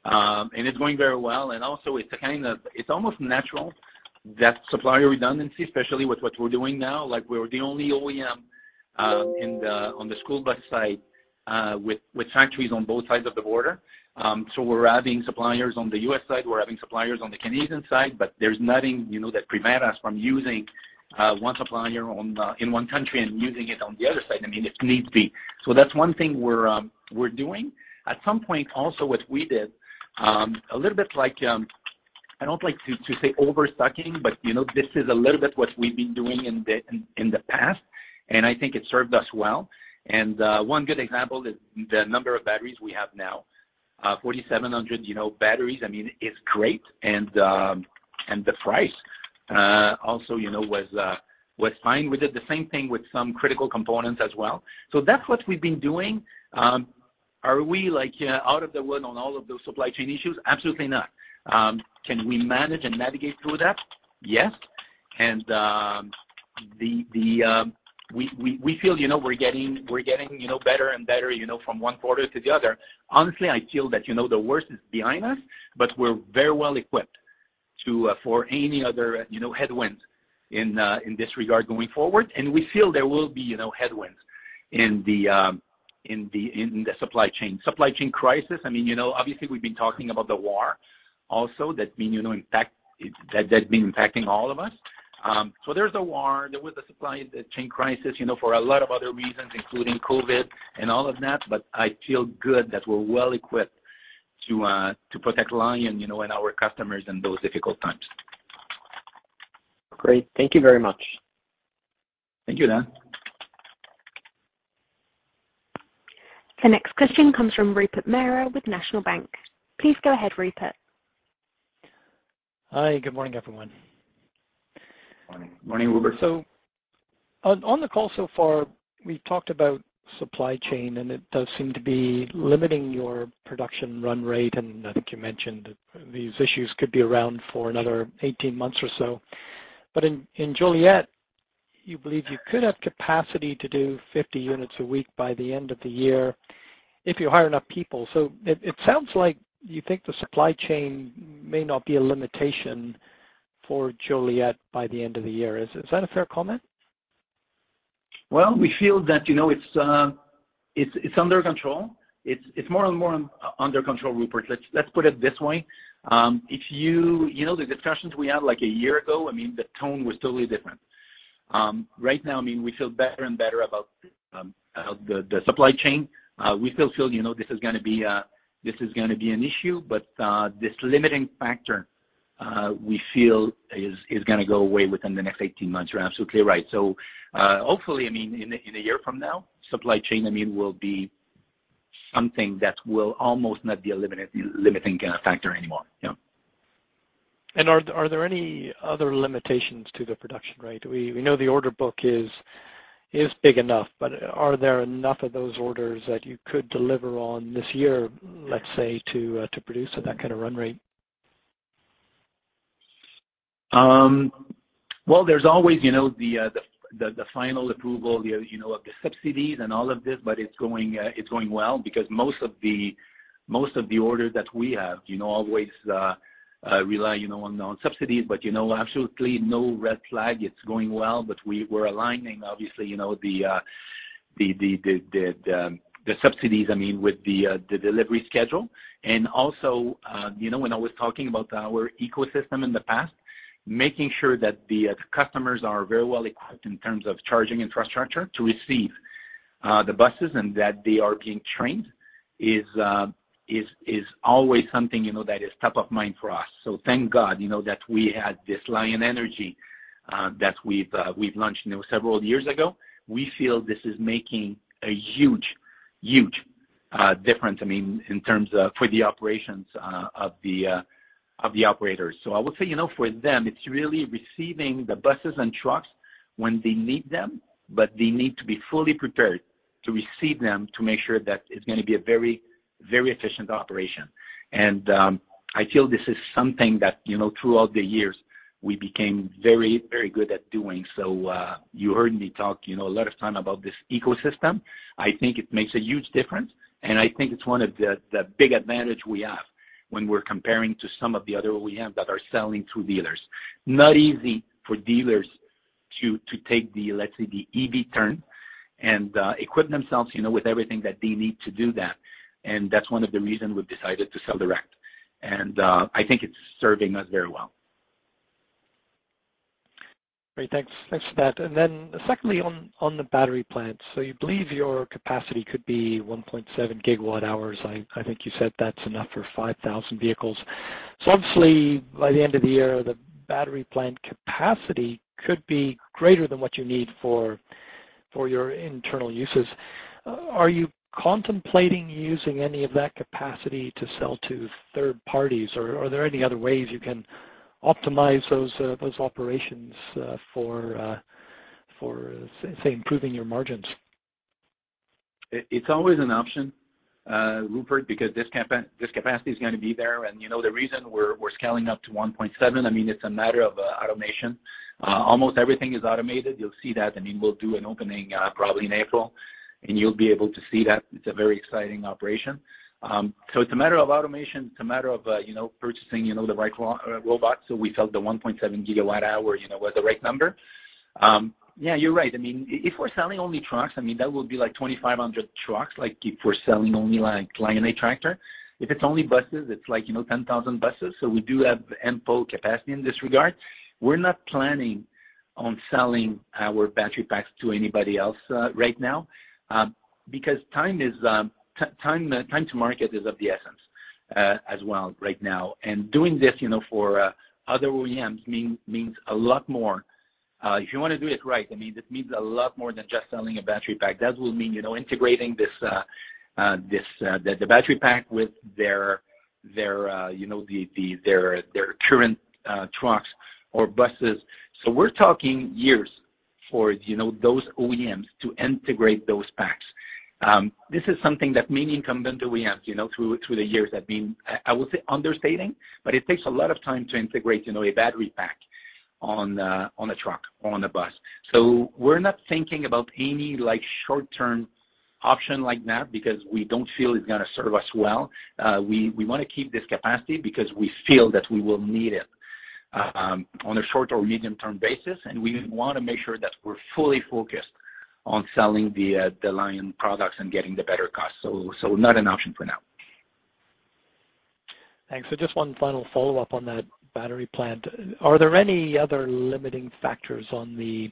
and it's going very well. Also it's a kind of... it's almost natural that supplier redundancy, especially with what we're doing now, like we're the only OEM in the, on the school bus side, with factories on both sides of the border. So we're having suppliers on the U.S. side, we're having suppliers on the Canadian side, but there's nothing, you know, that prevent us from using one supplier on the in one country and using it on the other side. I mean, if needs be. That's one thing we're doing. At some point, also, what we did, a little bit like... I don't like to say overstocking, but, you know, this is a little bit what we've been doing in the past, I think it served us well. One good example is the number of batteries we have now. 4,700, you know, batteries, I mean, is great. The price, also, you know, was fine. We did the same thing with some critical components as well. That's what we've been doing. Are we, like, out of the wood on all of those supply chain issues? Absolutely not. Can we manage and navigate through that? Yes. We feel, you know, we're getting, you know, better and better, you know, from one quarter to the other. Honestly, I feel that, you know, the worst is behind us, but we're very well equipped to for any other, you know, headwinds in this regard going forward. We feel there will be, you know, headwinds in the supply chain. Supply chain crisis, I mean, you know, obviously, we've been talking about the war also that's been impacting all of us. There's the war. There was the supply chain crisis, you know, for a lot of other reasons, including COVID and all of that, but I feel good that we're well equipped to protect Lion, you know, and our customers in those difficult times. Great. Thank you very much. Thank you, Dan. The next question comes from Rupert Merer with National Bank. Please go ahead, Rupert. Hi. Good morning, everyone. Morning. Morning, Rupert. On the call so far, we've talked about supply chain, and it does seem to be limiting your production run rate, and I think you mentioned these issues could be around for another 18 months or so. In Joliet, you believe you could have capacity to do 50 units a week by the end of the year if you hire enough people. It sounds like you think the supply chain may not be a limitation for Joliet by the end of the year. Is that a fair comment? Well, we feel that, you know, it's under control. It's more and more under control, Rupert. Let's put it this way. You know, the discussions we had, like, a year ago, I mean, the tone was totally different. Right now, I mean, we feel better and better about the supply chain. We still feel, you know, this is gonna be an issue, but this limiting factor, we feel is gonna go away within the next 18 months. You're absolutely right. Hopefully, I mean, in a year from now, supply chain, I mean, will be something that will almost not be a limiting factor anymore. Yeah. Are there any other limitations to the production rate? We know the order book is big enough, but are there enough of those orders that you could deliver on this year, let's say, to produce at that kind of run rate? Well, there's always, you know, the final approval, you know, of the subsidies and all of this. It's going well because most of the orders that we have, you know, always rely, you know, on subsidies. You know, absolutely no red flag. It's going well. We're aligning obviously, you know, the subsidies, I mean, with the delivery schedule. You know, when I was talking about our ecosystem in the past, making sure that the customers are very well equipped in terms of charging infrastructure to receive the buses and that they are being trained is always something, you know, that is top of mind for us. Thank God, you know, that we had this Lion Energy that we've launched, you know, several years ago. We feel this is making a huge difference, I mean, in terms of, for the operations of the operators. I would say, you know, for them, it's really receiving the buses and trucks when they need them, but they need to be fully prepared to receive them to make sure that it's gonna be a very efficient operation. I feel this is something that, you know, throughout the years, we became very good at doing. You heard me talk, you know, a lot of time about this ecosystem. I think it makes a huge difference, and I think it's one of the big advantage we have when we're comparing to some of the other OEM that are selling to dealers. Not easy for dealers to take the, let's say, the EV turn and equip themselves, you know, with everything that they need to do that, and that's one of the reason we've decided to sell direct. I think it's serving us very well. Great. Thanks. Thanks for that. Secondly, on the battery plant. You believe your capacity could be 1.7 gigawatt-hours. I think you said that's enough for 5,000 vehicles. Obviously, by the end of the year, the battery plant capacity could be greater than what you need for your internal uses. Are you contemplating using any of that capacity to sell to third parties, or are there any other ways you can optimize those operations for, say, improving your margins? It's always an option, Rupert, because this capacity is gonna be there. You know, the reason we're scaling up to 1.7, I mean, it's a matter of automation. Almost everything is automated. You'll see that. I mean, we'll do an opening probably in April, and you'll be able to see that. It's a very exciting operation. It's a matter of automation. It's a matter of, you know, purchasing, you know, the right robot. We felt the 1.7 gigawatt-hour, you know, was the right number. Yeah, you're right. I mean, if we're selling only trucks, I mean, that would be like 2,500 trucks, like if we're selling only like Lion8 Tractor. If it's only buses, it's like, you know, 10,000 buses. We do have ample capacity in this regard. We're not planning on selling our battery packs to anybody else, right now, because time is, time to market is of the essence, as well right now. Doing this, you know, for other OEMs means a lot more. If you wanna do it right, I mean, this means a lot more than just selling a battery pack. That will mean, you know, integrating this, the battery pack with their, you know, their current trucks or buses. We're talking years for, you know, those OEMs to integrate those packs. This is something that many incumbent OEMs, you know, through the years have been, I would say, understating, but it takes a lot of time to integrate, you know, a battery pack on a truck or on a bus. We're not thinking about any like short-term option like that because we don't feel it's gonna serve us well. We wanna keep this capacity because we feel that we will need it on a short or medium-term basis, and we wanna make sure that we're fully focused on selling the Lion products and getting the better cost. Not an option for now. Thanks. Just one final follow-up on that battery plant. Are there any other limiting factors on the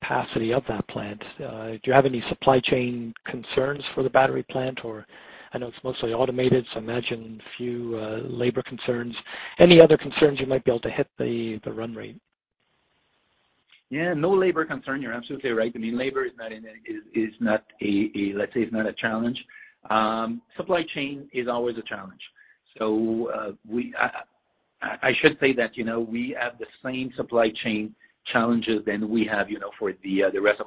capacity of that plant? Do you have any supply chain concerns for the battery plant? I know it's mostly automated, so I imagine few labor concerns. Any other concerns you might be able to hit the run rate? Yeah. No labor concern. You're absolutely right. I mean, labor is not a, let's say it's not a challenge. Supply chain is always a challenge. I should say that, you know, we have the same supply chain challenges than we have, you know, for the rest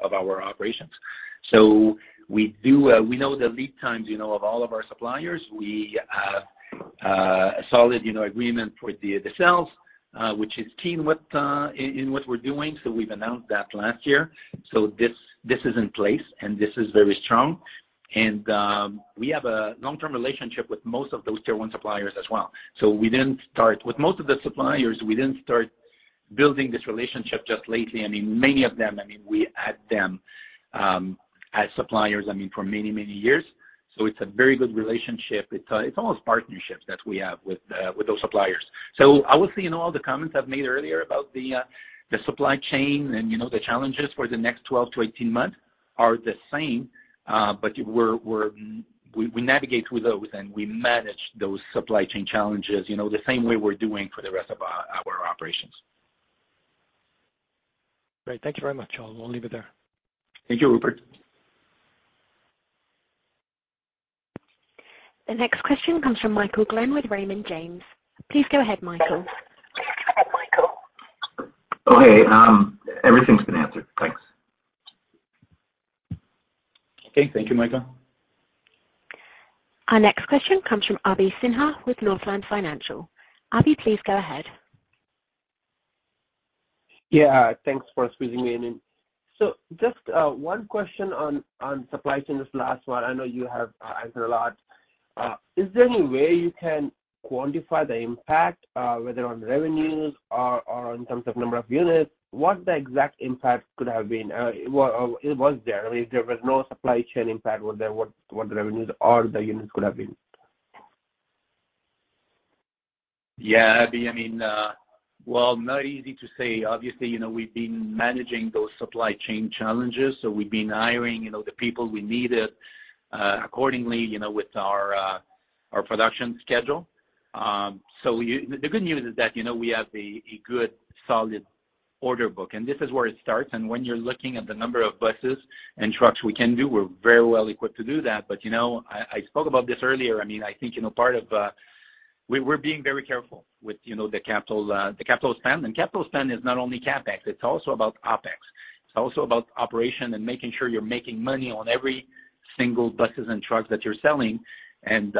of our operations. We know the lead times, you know, of all of our suppliers. We have a solid, you know, agreement for the cells, which is key in what we're doing, we've announced that last year. This is in place, and this is very strong. We have a long-term relationship with most of those tier one suppliers as well. We didn't start with most of the suppliers, we didn't start building this relationship just lately. I mean, many of them, I mean, we had them as suppliers, I mean, for many, many years. It's a very good relationship. It's almost partnerships that we have with those suppliers. I would say in all the comments I've made earlier about the supply chain and, you know, the challenges for the next 12 months to 18 months are the same, but we navigate through those, and we manage those supply chain challenges, you know, the same way we're doing for the rest of our operations. Great. Thank you very much. I'll leave it there. Thank you, Rupert. The next question comes from Michael Glen with Raymond James. Please go ahead, Michael. Oh, hey. Everything's been answered. Thanks. Okay. Thank you, Michael. Our next question comes from Abhi Sinha with Northland Capital Markets. Abhi, please go ahead. Yeah. Thanks for squeezing me in. Just one question on supply chain, this last one. I know you have answered a lot. Is there any way you can quantify the impact, whether on revenues or in terms of number of units, what the exact impact could have been, was there? If there was no supply chain impact, what the revenues or the units could have been? Yeah. I mean, well, not easy to say. Obviously, you know, we've been managing those supply chain challenges. We've been hiring, you know, the people we needed accordingly, you know, with our production schedule. The good news is that, you know, we have a good solid order book. This is where it starts. When you're looking at the number of buses and trucks we can do, we're very well equipped to do that. You know, I spoke about this earlier. I mean, I think, you know, part of, we're being very careful with, you know, the capital, the capital spend. Capital spend is not only CapEx, it's also about OpEx. It's also about operation and making sure you're making money on every single buses and trucks that you're selling, and,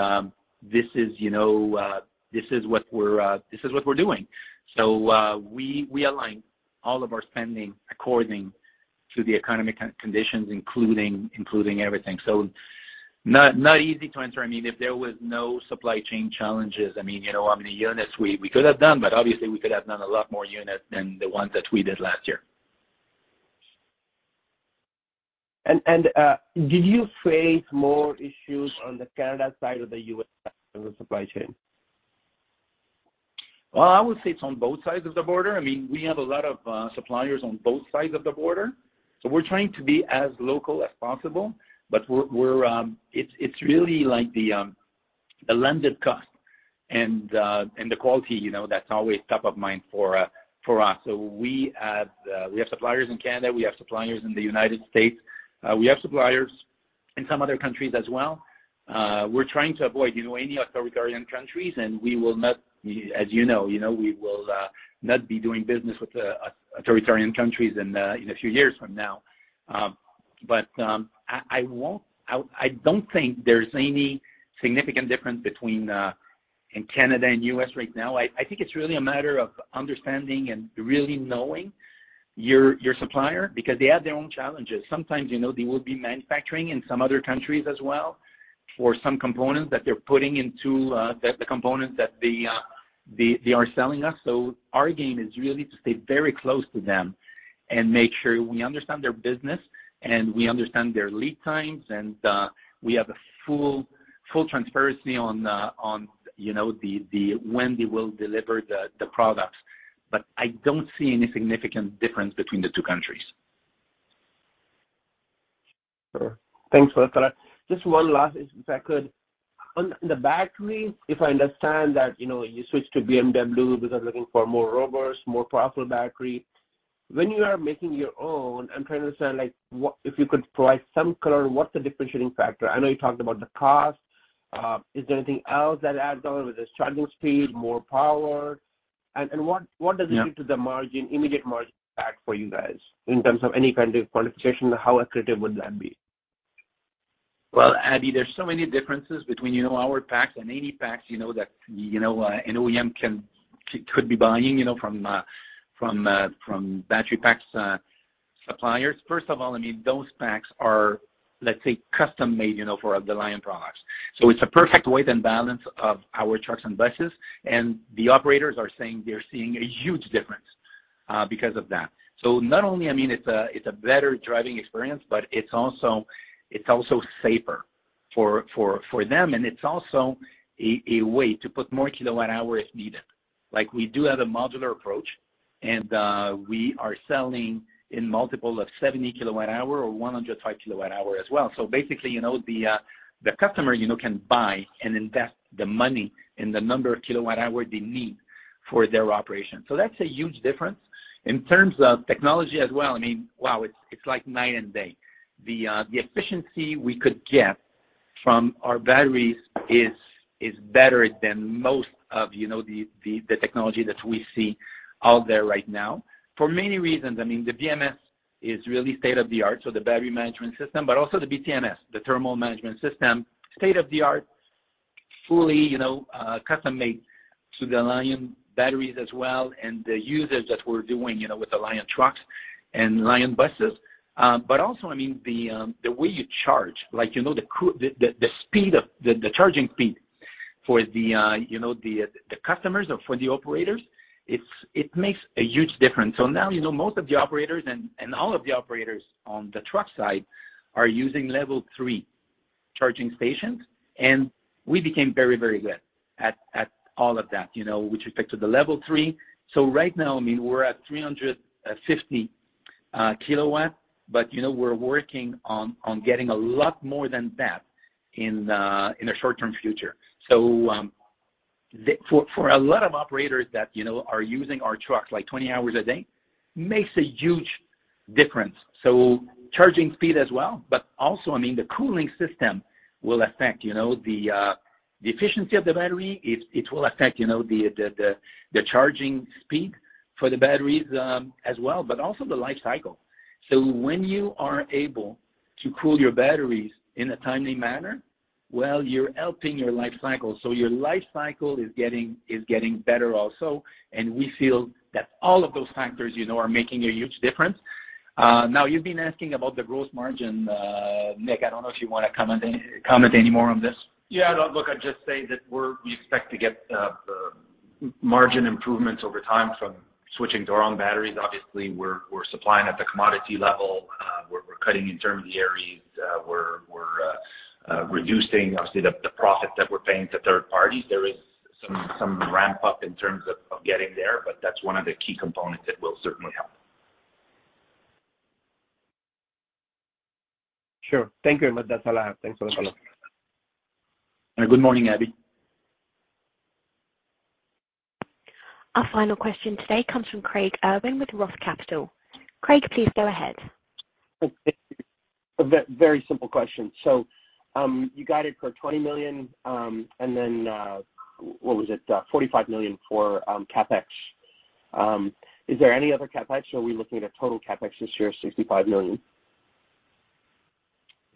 you know, this is what we're doing. We align all of our spending according to the economic conditions, including everything. Not easy to answer. I mean, if there was no supply chain challenges, I mean, you know, how many units we could have done. Obviously we could have done a lot more units than the ones that we did last year. Did you face more issues on the Canada side or the U.S. side on the supply chain? I would say it's on both sides of the border. I mean, we have a lot of suppliers on both sides of the border, we're trying to be as local as possible. It's really like the landed cost and the quality, you know, that's always top of mind for us. We have suppliers in Canada. We have suppliers in the United States. We have suppliers in some other countries as well. We're trying to avoid, you know, any authoritarian countries, we will not, as you know, we will not be doing business with authoritarian countries in a few years from now. I don't think there's any significant difference between in Canada and U.S. right now. I think it's really a matter of understanding and really knowing your supplier because they have their own challenges. Sometimes, you know, they will be manufacturing in some other countries as well for some components that they're putting into the components that they are selling us. Our game is really to stay very close to them. Make sure we understand their business and we understand their lead times and we have a full transparency on, you know, the when they will deliver the products. I don't see any significant difference between the two countries. Sure. Thanks for that. Just one last, if I could. On the batteries, if I understand that, you know, you switched to BMW because you're looking for more robust, more powerful battery. When you are making your own, I'm trying to understand, like, if you could provide some color on what the differentiating factor. I know you talked about the cost. Is there anything else that adds on? Is it charging speed, more power? And what does it do to the margin, immediate margin impact for you guys in terms of any kind of qualification? How accretive would that be? Well, Abhi, there's so many differences between, you know, our packs and any packs, you know, that, you know, an OEM could be buying, you know, from battery packs suppliers. First of all, I mean, those packs are, let's say, custom-made, you know, for the Lion products. It's a perfect weight and balance of our trucks and buses, and the operators are saying they're seeing a huge difference because of that. Not only, I mean, it's a better driving experience, but it's also, it's also safer for them. It's also a way to put more kilowatt-hour if needed. Like, we do have a modular approach, and we are selling in multiple of 70 kWh or 105 kWh as well. Basically, you know, the customer, you know, can buy and invest the money in the number of kilowatt-hour they need for their operation. That's a huge difference. In terms of technology as well, I mean, wow, it's like night and day. The efficiency we could get from our batteries is better than most of, you know, the technology that we see out there right now. For many reasons, I mean, the BMS is really state-of-the-art, so the battery management system, but also the BTMS, the thermal management system, state-of-the-art, fully, you know, custom-made to the Lion batteries as well, and the usage that we're doing, you know, with the Lion trucks and Lion buses. Also, I mean, the way you charge, like, you know, the speed of... The charging speed for the, you know, the customers or for the operators, it makes a huge difference. Now, you know, most of the operators and all of the operators on the truck side are using Level 3 charging stations, and we became very, very good at all of that, you know, with respect to the Level 3. Right now, I mean, we're at 350 kilowatt, but, you know, we're working on getting a lot more than that in the short-term future. For a lot of operators that, you know, are using our trucks, like 20 hours a day, makes a huge difference. Charging speed as well, but also, I mean, the cooling system will affect, you know, the efficiency of the battery. It will affect, you know, the charging speed for the batteries, as well, also the life cycle. When you are able to cool your batteries in a timely manner, well, you're helping your life cycle. Your life cycle is getting better also. We feel that all of those factors, you know, are making a huge difference. Now, you've been asking about the gross margin. Nick, I don't know if you wanna comment any more on this? No, look, I'd just say that we expect to get margin improvements over time from switching to our own batteries. We're supplying at the commodity level. We're cutting intermediaries. We're reducing obviously the profit that we're paying to third parties. There is some ramp-up in terms of getting there. That's one of the key components that will certainly help. Sure. Thank you very much. That's a lot. Thanks a lot. Good morning, Abhi. Our final question today comes from Craig Irwin with Roth Capital. Craig, please go ahead. Thank you. A very simple question. You guided for $20 million, and then, what was it? $45 million for CapEx. Is there any other CapEx, or are we looking at a total CapEx this year of $65 million?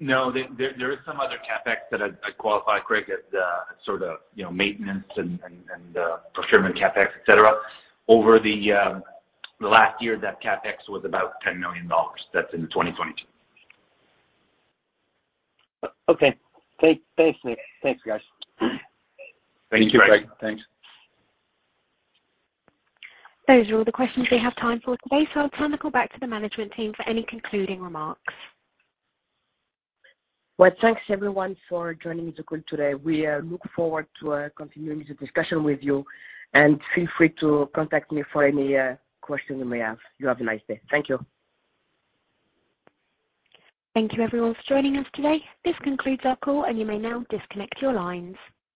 No. There is some other CapEx that I'd qualify, Craig, as, you know, maintenance and procurement CapEx, et cetera. Over the last year, that CapEx was about $10 million. That's in 2022. Okay. Thanks, Nick. Thanks, guys. Thank you, Craig. Thank you, Craig. Thanks. Those are all the questions we have time for today, so I'll turn the call back to the management team for any concluding remarks. Well, thanks everyone for joining the call today. We look forward to continuing the discussion with you. Feel free to contact me for any questions you may have. You have a nice day. Thank you. Thank you everyone for joining us today. This concludes our call. You may now disconnect your lines.